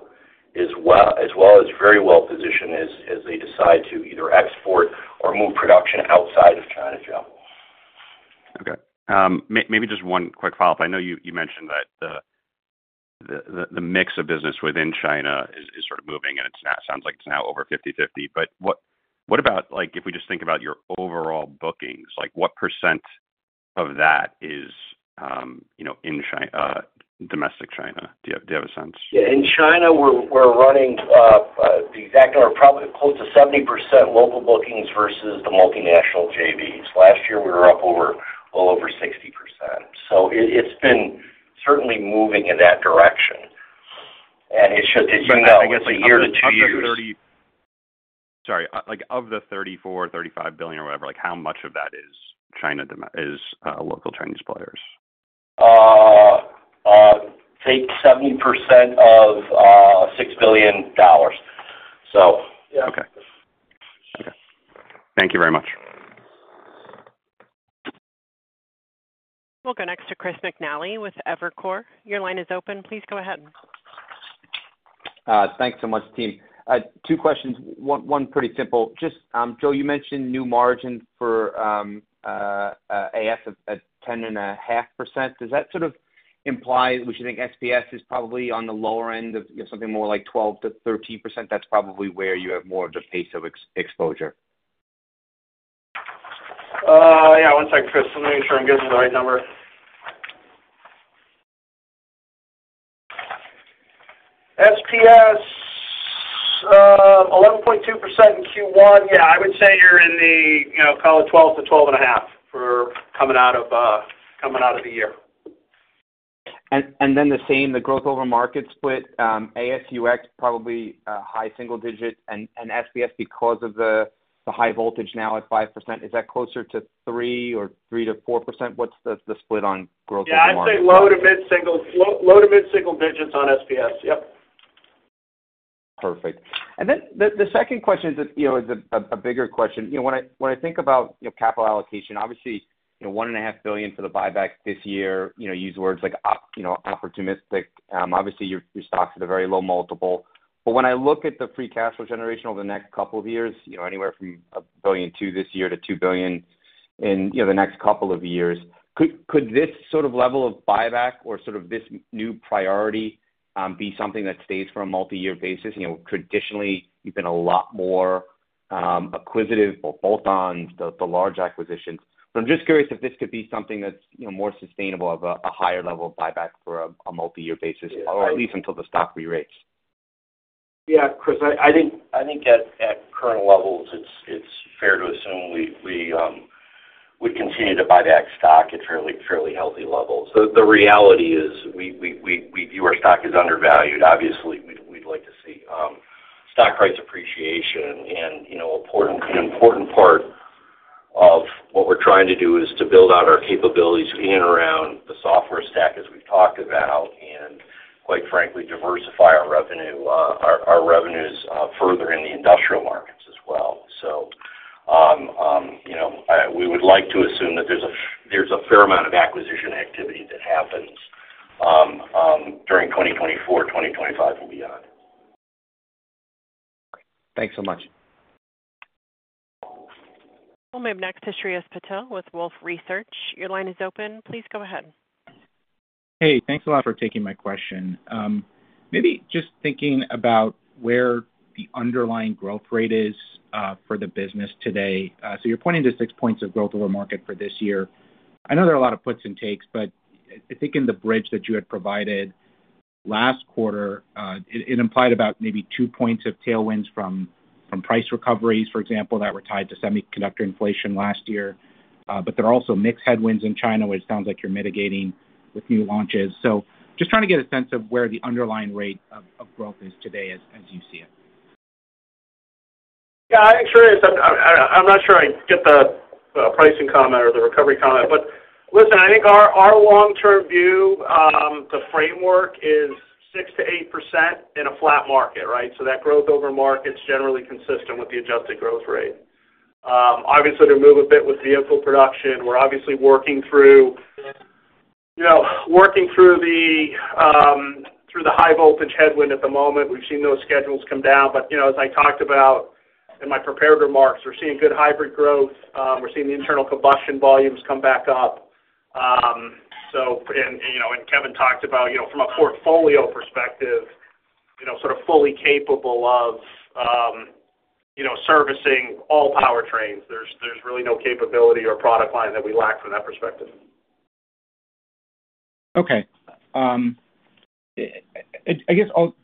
as well, as well as very well-positioned as they decide to either export or move production outside of China, Joe.
Okay. Maybe just one quick follow-up. I know you mentioned that the mix of business within China is sort of moving, and it's now—sounds like it's now over 50/50. But what about, like, if we just think about your overall bookings, like what percent of that is, you know, in domestic China? Do you have a sense?
Yeah. In China, we're running the exact number, probably close to 70% local bookings versus the multinational JVs. Last year, we were up over little over 60%. So it's been certainly moving in that direction. And it's just, as you know, year to two years-
Sorry, like, of the $34 billion-$35 billion or whatever, like, how much of that is China domestic, local Chinese players?
Take 70% of $6 billion. So, yeah.
Okay. Okay. Thank you very much.
We'll go next to Chris McNally with Evercore. Your line is open. Please go ahead.
Thanks so much, team. Two questions. One pretty simple. Just, Joe, you mentioned new margin for AS&UX at 10.5%. Does that sort of imply we should think S&PS is probably on the lower end of, you know, something more like 12%-13%? That's probably where you have more of the pace of exposure.
Yeah, one second, Chris. Let me make sure I'm giving you the right number. S&PS, 11.2% in Q1. Yeah, I would say you're in the, you know, call it 12%-12.5% for coming out of, coming out of the year.
Then the same, the growth over market split, AS&UX, probably a high single-digit, and S&PS, because of the High Voltage now at 5%, is that closer to 3% or 3%-4%? What's the split on growth over market?
Yeah, I'd say low to mid single, low to mid single digits on S&PS. Yep.
Perfect. And then the second question is, you know, is a bigger question. You know, when I think about, you know, capital allocation, obviously, you know, $1.5 billion for the buyback this year, you know, use words like opportunistic. Obviously, your stock's at a very low multiple... But when I look at the free cash flow generation over the next couple of years, you know, anywhere from $1.2 billion this year to $2 billion in the next couple of years, could this sort of level of buyback or sort of this new priority be something that stays for a multi-year basis? You know, traditionally, you've been a lot more acquisitive, both bolt-ons, the large acquisitions. I'm just curious if this could be something that's, you know, more sustainable of a higher level of buyback for a multi-year basis, or at least until the stock re-rates?
Yeah, Chris, I think at current levels, it's fair to assume we continue to buy back stock at fairly healthy levels. The reality is we view our stock as undervalued. Obviously, we'd like to see stock price appreciation and, you know, an important part of what we're trying to do is to build out our capabilities in and around the software stack, as we've talked about, and quite frankly, diversify our revenue, our revenues further in the industrial markets as well. So, you know, we would like to assume that there's a fair amount of acquisition activity that happens during 2024, 2025 and beyond.
Thanks so much.
We'll move next to Shreyas Patil with Wolfe Research. Your line is open. Please go ahead.
Hey, thanks a lot for taking my question. Maybe just thinking about where the underlying growth rate is for the business today. So you're pointing to 6 points of growth over market for this year. I know there are a lot of puts and takes, but I think in the bridge that you had provided last quarter, it implied about maybe 2 points of tailwinds from price recoveries, for example, that were tied to semiconductor inflation last year. But there are also mixed headwinds in China, which sounds like you're mitigating with new launches. So just trying to get a sense of where the underlying rate of growth is today, as you see it.
Yeah, sure. I'm not sure I get the pricing comment or the recovery comment, but listen, I think our long-term view, the framework is 6%-8% in a flat market, right? So that growth over market's generally consistent with the adjusted growth rate. Obviously, they move a bit with vehicle production. We're obviously working through, you know, working through the High Voltage headwind at the moment. We've seen those schedules come down, but, you know, as I talked about in my prepared remarks, we're seeing good hybrid growth. We're seeing the internal combustion volumes come back up. So and, you know, and Kevin talked about, you know, from a portfolio perspective, you know, sort of fully capable of, you know, servicing all powertrains. There's really no capability or product line that we lack from that perspective.
Okay, I guess I'll...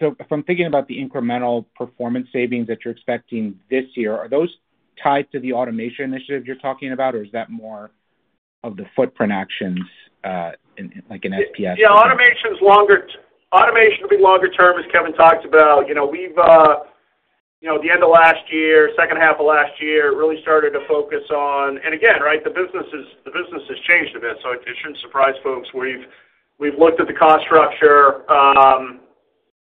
So if I'm thinking about the incremental performance savings that you're expecting this year, are those tied to the automation initiatives you're talking about, or is that more of the footprint actions in like an S&PS?
Yeah, automation will be longer term, as Kevin talked about. You know, the end of last year, second half of last year, really started to focus on. And again, right, the business has changed a bit, so it shouldn't surprise folks. We've looked at the cost structure.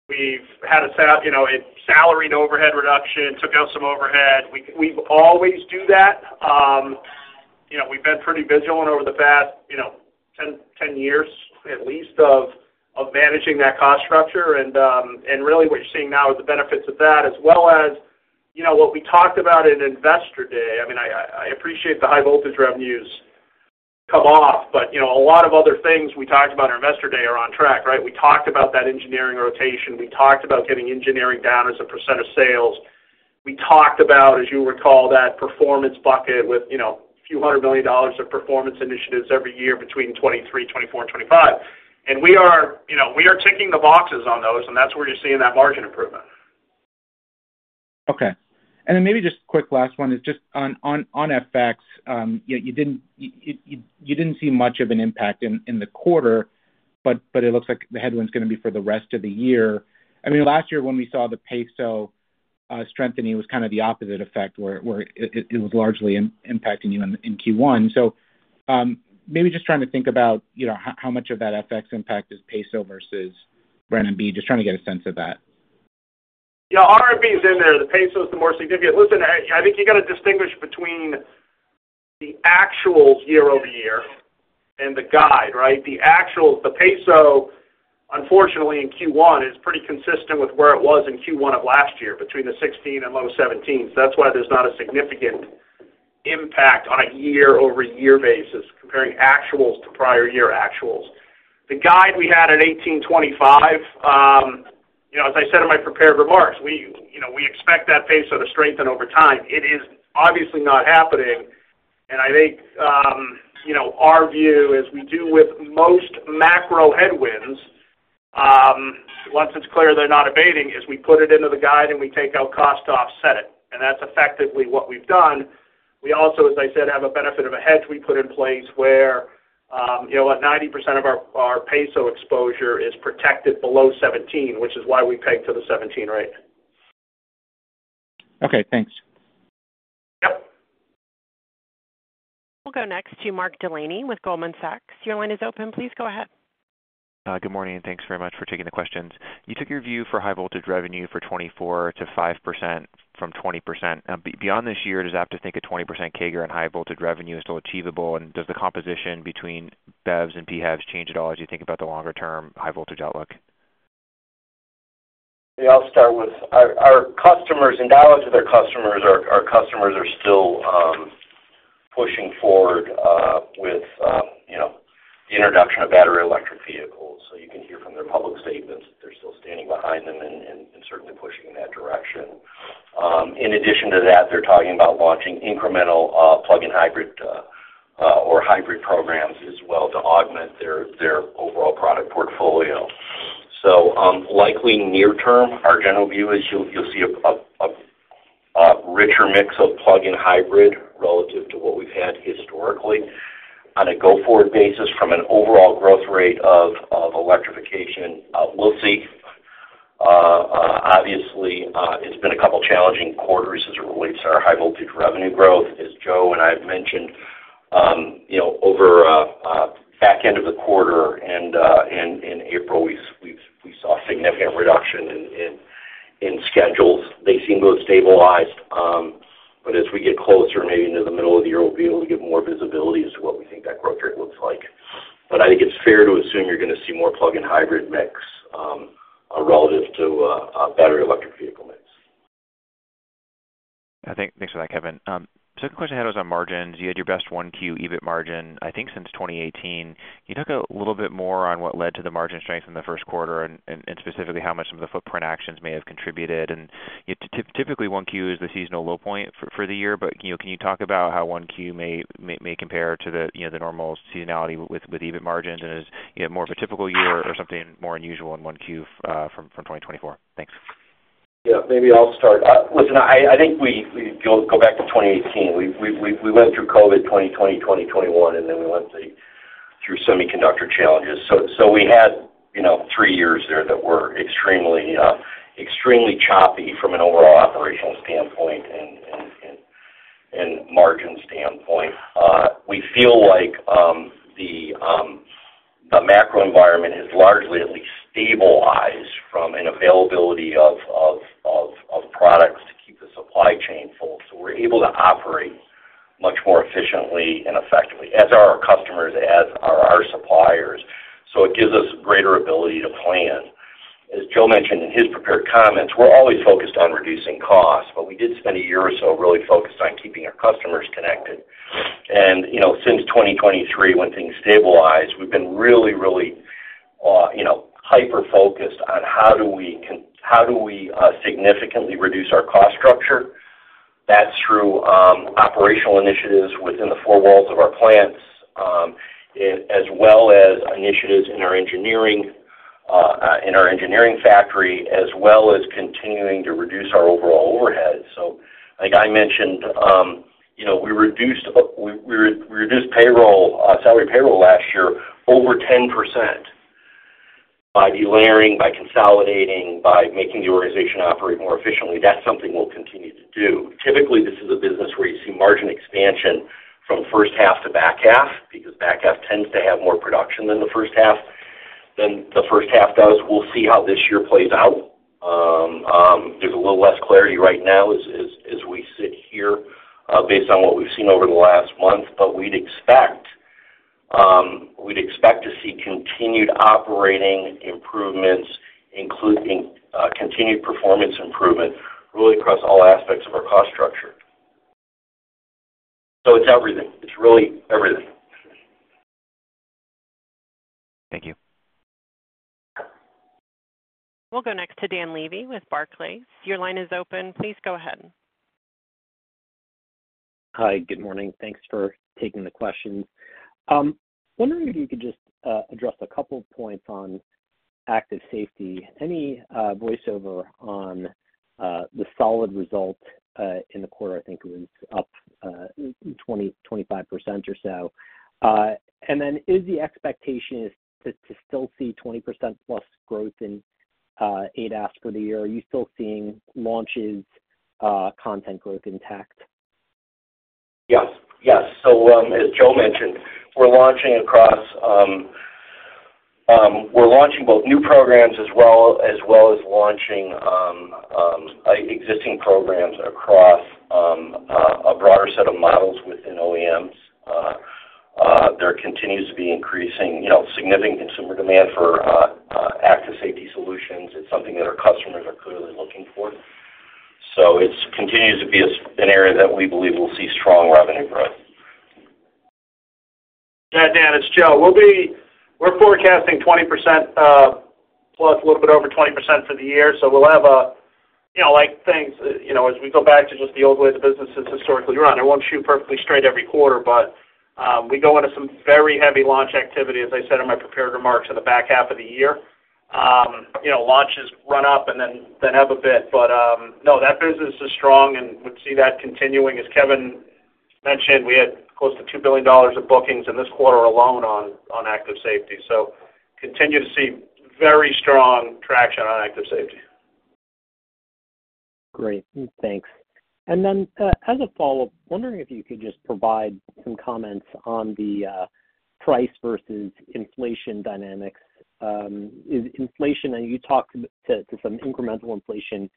We've had to set up a salaried overhead reduction, took out some overhead. We always do that. You know, we've been pretty vigilant over the past 10 years, at least, managing that cost structure. And really, what you're seeing now is the benefits of that, as well as what we talked about in Investor Day. I mean, I appreciate the High Voltage revenues come off, but, you know, a lot of other things we talked about in Investor Day are on track, right? We talked about that engineering rotation. We talked about getting engineering down as a percent of sales. We talked about, as you recall, that performance bucket with, you know, a few hundred million dollars of performance initiatives every year between 2023, 2024 and 2025. And we are, you know, we are ticking the boxes on those, and that's where you're seeing that margin improvement.
Okay. Then maybe just a quick last one is just on FX. You didn't see much of an impact in the quarter, but it looks like the headwind's gonna be for the rest of the year. I mean, last year, when we saw the peso strengthening, it was kind of the opposite effect, where it was largely impacting you in Q1. So, maybe just trying to think about, you know, how much of that FX impact is peso versus RMB, just trying to get a sense of that.
Yeah, RMB is in there. The peso is the more significant. Listen, I think you got to distinguish between the actual year-over-year and the guide, right? The actual, the peso, unfortunately, in Q1 is pretty consistent with where it was in Q1 of last year, between 16 and low 17. So that's why there's not a significant impact on a year-over-year basis, comparing actuals to prior year actuals. The guide we had at 18.25, you know, as I said in my prepared remarks, we, you know, we expect that peso to strengthen over time. It is obviously not happening, and I think, you know, our view is we do with most macro headwinds, once it's clear they're not abating, is we put it into the guide, and we take out cost to offset it, and that's effectively what we've done. We also, as I said, have a benefit of a hedge we put in place where, you know, what 90% of our peso exposure is protected below 17, which is why we pegged to the 17 rate.
Okay, thanks.
Yep.
We'll go next to Mark Delaney with Goldman Sachs. Your line is open. Please go ahead.
Good morning, and thanks very much for taking the questions. You took your view for High Voltage revenue for 2024 to 5% from 20%. Now, beyond this year, does it have to take a 20% CAGR on High Voltage revenue is still achievable? And does the composition between BEVs and PHEVs change at all as you think about the longer-term High Voltage outlook?...
Maybe I'll start with our customers in dialogue to their customers. Our customers are still pushing forward with you know, the introduction of battery electric vehicles. So you can hear from their public statements that they're still standing behind them and certainly pushing in that direction. In addition to that, they're talking about launching incremental plug-in hybrid or hybrid programs as well to augment their overall product portfolio. So likely near-term, our general view is you'll see a richer mix of plug-in hybrid relative to what we've had historically. On a go-forward basis, from an overall growth rate of electrification, we'll see. Obviously, it's been a couple challenging quarters as it relates to our high-voltage revenue growth. As Joe and I have mentioned, you know, over the back end of the quarter and in April, we saw a significant reduction in schedules. They seem to have stabilized, but as we get closer, maybe into the middle of the year, we'll be able to get more visibility as to what we think that growth rate looks like. But I think it's fair to assume you're gonna see more plug-in hybrid mix, relative to a battery electric vehicle mix.
I think, thanks for that, Kevin. So the question I had was on margins. You had your best 1Q EBIT margin, I think, since 2018. Can you talk a little bit more on what led to the margin strength in the first quarter and specifically, how much some of the footprint actions may have contributed? And typically, 1Q is the seasonal low point for the year, but, you know, can you talk about how 1Q may compare to the, you know, the normal seasonality with EBIT margins? And is, you know, more of a typical year or something more unusual in 1Q from 2024? Thanks.
Yeah, maybe I'll start. Listen, I think we go back to 2018. We've gone through COVID 2020, 2021, and then we went through semiconductor challenges. So we had, you know, three years there that were extremely choppy from an overall operational standpoint and margin standpoint. We feel like the macro environment has largely at least stabilized from an availability of products to keep the supply chain full. So we're able to operate much more efficiently and effectively, as are our customers, as are our suppliers, so it gives us greater ability to plan. As Joe mentioned in his prepared comments, we're always focused on reducing costs, but we did spend a year or so really focused on keeping our customers connected. You know, since 2023, when things stabilized, we've been really, really, you know, hyper-focused on how do we significantly reduce our cost structure? That's through operational initiatives within the four walls of our plants, as well as initiatives in our engineering factory, as well as continuing to reduce our overall overhead. So like I mentioned, you know, we reduced we reduced payroll, salary payroll last year, over 10% by delayering, by consolidating, by making the organization operate more efficiently. That's something we'll continue to do. Typically, this is a business where you see margin expansion from first half to back half, because back half tends to have more production than the first half, than the first half does. We'll see how this year plays out. There's a little less clarity right now as we sit here, based on what we've seen over the last month, but we'd expect to see continued operating improvements, including continued performance improvement, really across all aspects of our cost structure. So it's everything. It's really everything.
Thank you.
We'll go next to Dan Levy with Barclays. Your line is open. Please go ahead.
Hi, good morning. Thanks for taking the questions. Wondering if you could just address a couple of points on Active Safety, any voiceover on the solid result in the quarter, I think it was up 25% or so. And then is the expectation is to still see 20%+ growth in ADAS for the year? Are you still seeing launches, content growth intact?
Yes. Yes. So, as Joe mentioned, we're launching across, we're launching both new programs as well, as well as launching, existing programs across, a broader set of models within OEMs. There continues to be increasing, you know, significant consumer demand for, Active Safety solutions. It's something that our customers are clearly looking for. So it's continues to be an area that we believe will see strong revenue growth.
Yeah, Dan, it's Joe. We're forecasting 20%, plus a little bit over 20% for the year, so we'll have a, you know, like things, you know, as we go back to just the old way the business has historically run. It won't shoot perfectly straight every quarter, but we go into some very heavy launch activity, as I said in my prepared remarks, in the back half of the year. You know, launches run up and then, then up a bit. But no, that business is strong, and would see that continuing. As Kevin mentioned, we had close to $2 billion of bookings in this quarter alone on Active Safety. So continue to see very strong traction on Active Safety.
Great. Thanks. And then, as a follow-up, wondering if you could just provide some comments on the price versus inflation dynamics. Is inflation, and you talked to some incremental inflation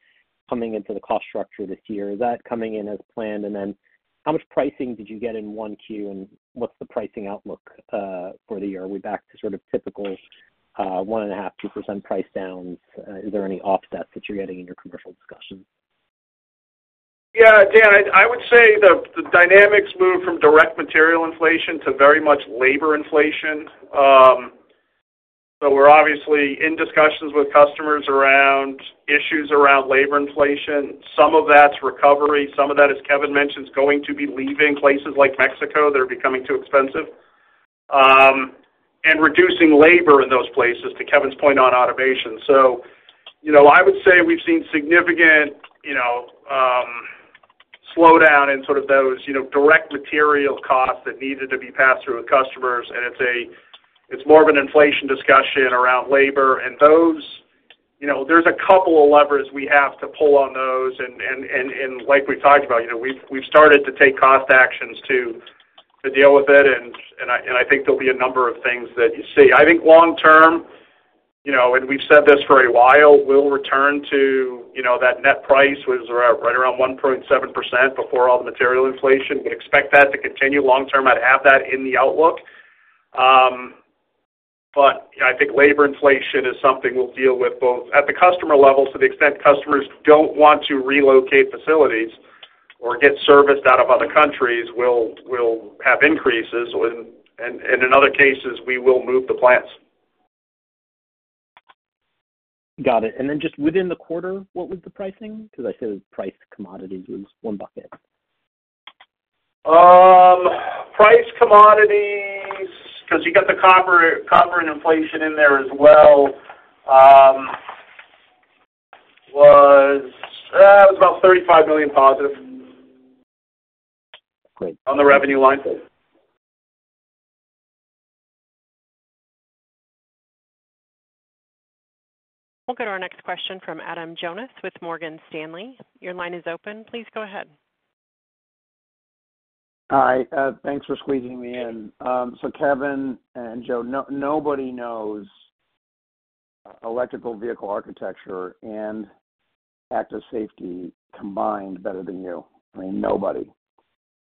coming into the cost structure this year, coming in as planned? And then how much pricing did you get in 1Q, and what's the pricing outlook for the year? Are we back to sort of typical 1.5%-2% price downs? Is there any offsets that you're getting in your commercial discussions?
Yeah, Dan, I would say the dynamics moved from direct material inflation to very much labor inflation. So we're obviously in discussions with customers around issues around labor inflation. Some of that's recovery, some of that, as Kevin mentioned, is going to be leaving places like Mexico that are becoming too expensive, and reducing labor in those places, to Kevin's point on automation. So, you know, I would say we've seen significant, you know, slowdown in sort of those, you know, direct material costs that needed to be passed through with customers, and it's more of an inflation discussion around labor. Those, you know, there's a couple of levers we have to pull on those, and like we've talked about, you know, we've started to take cost actions to deal with it, and I think there'll be a number of things that you see. I think long-term, you know, and we've said this for a while, we'll return to, you know, that net price was around, right around 1.7% before all the material inflation. We expect that to continue long-term. I'd have that in the outlook. But I think labor inflation is something we'll deal with both at the customer level, to the extent customers don't want to relocate facilities or get serviced out of other countries, we'll have increases, and in other cases, we will move the plants.
Got it. And then just within the quarter, what was the pricing? 'Cause I said price commodity was one bucket.
Price commodities, 'cause you got the copper, copper and inflation in there as well, it was about $35 million positive-
Great.
On the revenue line.
We'll go to our next question from Adam Jonas with Morgan Stanley. Your line is open. Please go ahead.
Hi, thanks for squeezing me in. So Kevin and Joe, nobody knows electric vehicle architecture and Active Safety combined better than you. I mean, nobody.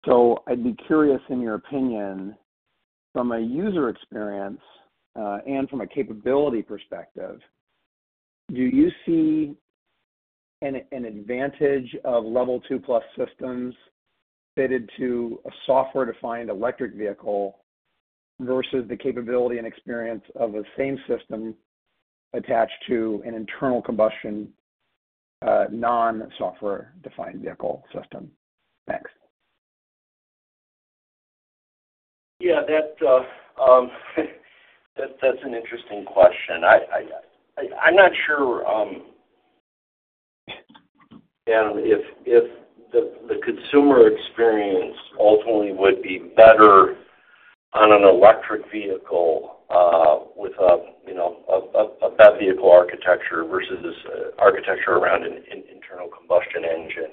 So I'd be curious, in your opinion, from a user experience and from a capability perspective, do you see an advantage of Level 2+ systems fitted to a software-defined electric vehicle versus the capability and experience of the same system attached to an internal combustion non-software-defined vehicle system? Thanks.
Yeah, that's an interesting question. I'm not sure and if the consumer experience ultimately would be better on an electric vehicle with a, you know, a BEV vehicle architecture versus architecture around an internal combustion engine.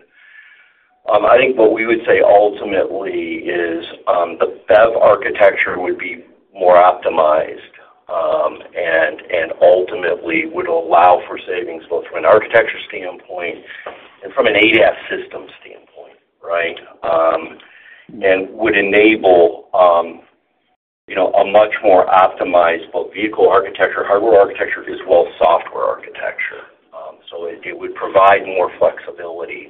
I think what we would say ultimately is the BEV architecture would be more optimized and ultimately would allow for savings, both from an architecture standpoint and from an ADAS system standpoint, right? And would enable, you know, a much more optimized both vehicle architecture, hardware architecture, as well as software architecture. So it would provide more flexibility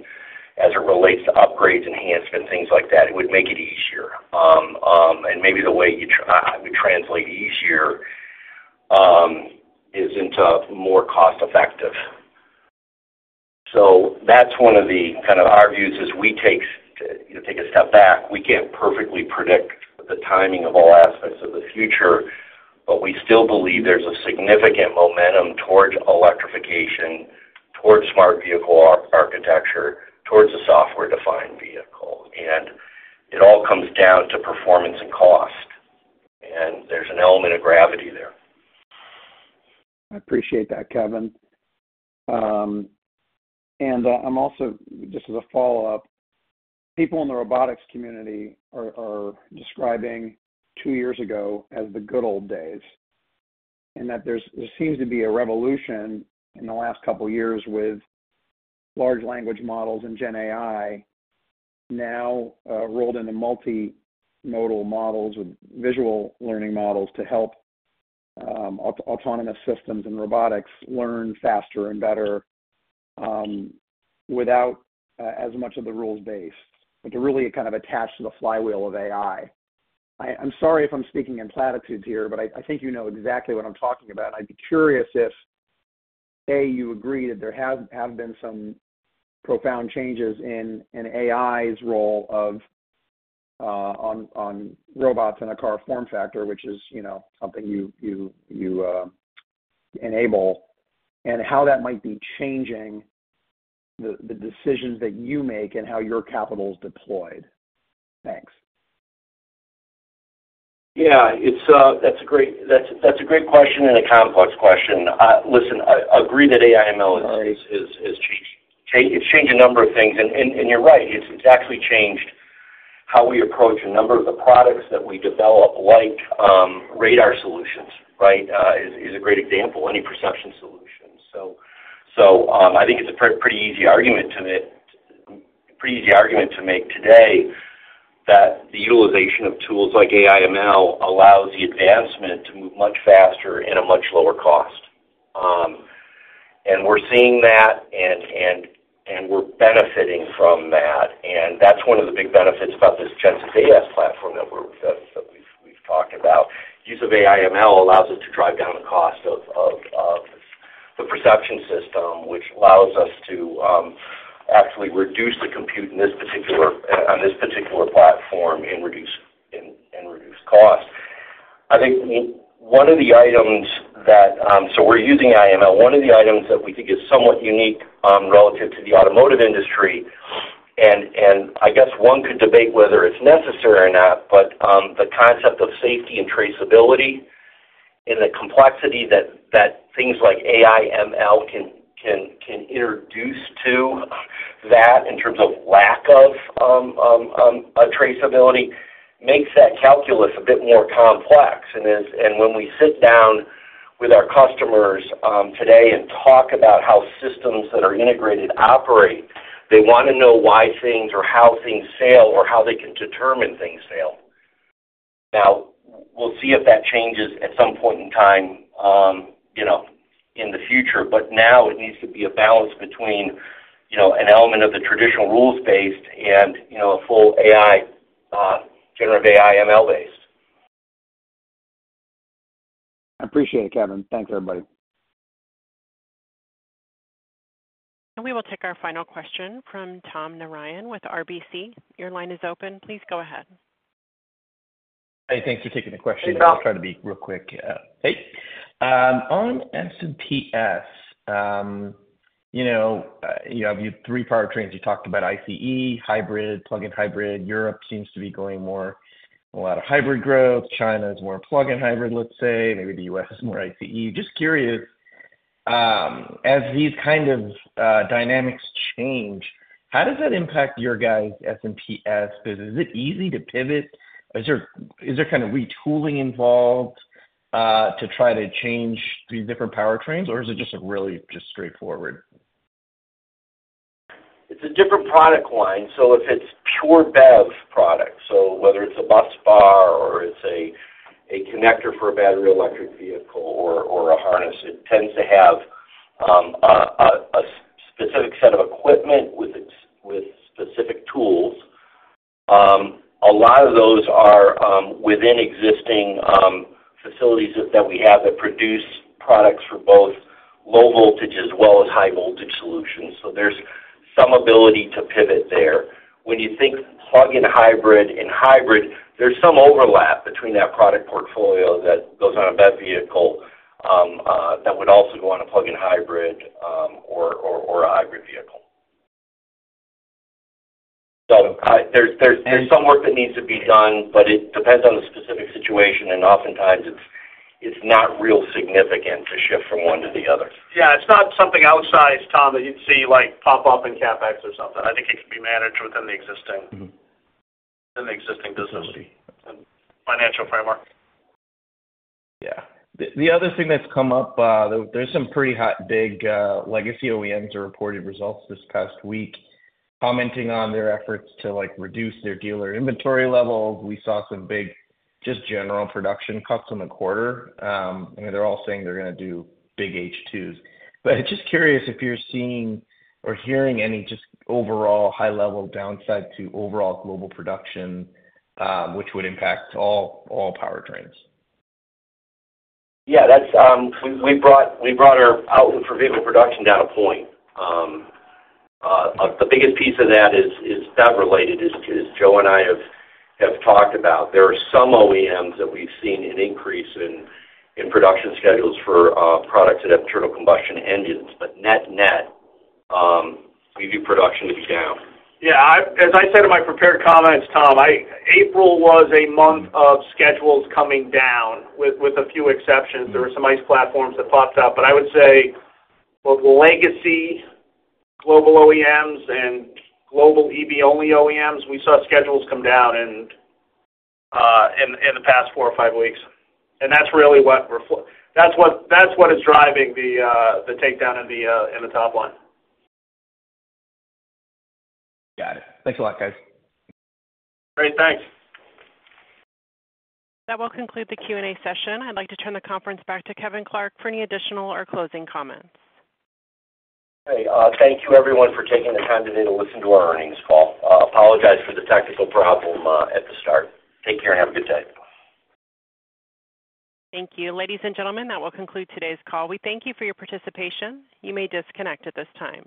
as it relates to upgrades, enhancements, things like that. It would make it easier. And maybe the way you trans- I would translate easier is into more cost-effective. So that's one of the kind of our views as we take, you know, take a step back. We can't perfectly predict the timing of all aspects of the future, but we still believe there's a significant momentum towards electrification, towards Smart Vehicle Architecture, towards a software-defined vehicle, and it all comes down to performance and cost, and there's an element of gravity there.
I appreciate that, Kevin. And, I'm also, just as a follow-up, people in the robotics community are describing two years ago as the good old days, and that there seems to be a revolution in the last couple of years with large language models and GenAI now, rolled into multimodal models with visual learning models to help autonomous systems and robotics learn faster and better, without as much of the rules base, but to really kind of attach to the flywheel of AI. I'm sorry if I'm speaking in platitudes here, but I think you know exactly what I'm talking about. I'd be curious if, A, you agree that there have been some profound changes in AI's role on robots in a car form factor, which is, you know, something you enable, and how that might be changing the decisions that you make and how your capital is deployed. Thanks.
Yeah, that's a great question and a complex question. Listen, I agree that AI/ML is changing. It's changed a number of things, and you're right, it's actually changed how we approach a number of the products that we develop, like radar solutions, right, is a great example, any perception solutions. So, I think it's a pretty easy argument to make today, that the utilization of tools like AI/ML allows the advancement to move much faster at a much lower cost. And we're seeing that, and we're benefiting from that, and that's one of the big benefits about this Gen 6 AS platform that we've talked about. Use of AI/ML allows us to drive down the cost of the perception system, which allows us to actually reduce the compute on this particular platform and reduce cost. I think one of the items that, so we're using AI/ML. One of the items that we think is somewhat unique relative to the automotive industry, and I guess one could debate whether it's necessary or not, but the concept of safety and traceability and the complexity that things like AI/ML can introduce to that in terms of lack of a traceability makes that calculus a bit more complex. When we sit down with our customers, today and talk about how systems that are integrated operate, they wanna know why things or how things fail, or how they can determine things fail. Now, we'll see if that changes at some point in time, you know, in the future, but now it needs to be a balance between, you know, an element of the traditional rules-based and, you know, a full AI, generative AI/ML base.
I appreciate it, Kevin. Thanks, everybody.
We will take our final question from Tom Narayan with RBC. Your line is open. Please go ahead.
Hey, thanks for taking the question.
Hey, Tom.
I'll try to be real quick. Hey, on S&PS, you know, you have your three powertrains. You talked about ICE, hybrid, plug-in hybrid. Europe seems to be going more a lot of hybrid growth. China is more plug-in hybrid, let's say, maybe the U.S. is more ICE. Just curious, as these kind of dynamics change, how does that impact your guys' S&PS business? Is it easy to pivot? Is there kind of retooling involved to try to change these different powertrains, or is it just a really just straightforward?
It's a different product line, so if it's pure BEV product, so whether it's a busbar or it's a connector for a battery electric vehicle or a harness, it tends to have a specific set of equipment with specific tools. A lot of those are within existing facilities that we have that produce products for both low voltage as well as High Voltage solutions, so there's some ability to pivot there. When you think plug-in hybrid and hybrid, there's some overlap between that product portfolio that goes on a BEV vehicle that would also go on a plug-in hybrid or a hybrid vehicle. So, there's some work that needs to be done, but it depends on the specific situation, and oftentimes it's not real significant to shift from one to the other.
Yeah, it's not something outsized, Tom, that you'd see, like, pop up in CapEx or something. I think it can be managed within the existing-
Mm-hmm...
within the existing business and financial framework.
Yeah. The other thing that's come up, there's some pretty hot, big legacy OEMs that reported results this past week, commenting on their efforts to, like, reduce their dealer inventory level. We saw some big, just general production cuts in the quarter. And they're all saying they're gonna do big H2s. But just curious if you're seeing or hearing any just overall high-level downside to overall global production, which would impact all powertrains.
Yeah, that's. We brought our outlook for vehicle production down a point. The biggest piece of that is BEV-related, as Joe and I have talked about. There are some OEMs that we've seen an increase in production schedules for products that have internal combustion engines. But net-net, we view production to be down.
Yeah, as I said in my prepared comments, Tom, April was a month of schedules coming down, with a few exceptions. There were some ICE platforms that popped up. But I would say both legacy global OEMs and global EV-only OEMs, we saw schedules come down in the past four or five weeks. And that's really what we're – that's what is driving the takedown in the top line.
Got it. Thanks a lot, guys.
Great. Thanks.
That will conclude the Q&A session. I'd like to turn the conference back to Kevin Clark for any additional or closing comments.
Hey, thank you everyone for taking the time today to listen to our earnings call. Apologize for the technical problem at the start. Take care, and have a good day.
Thank you. Ladies and gentlemen, that will conclude today's call. We thank you for your participation. You may disconnect at this time.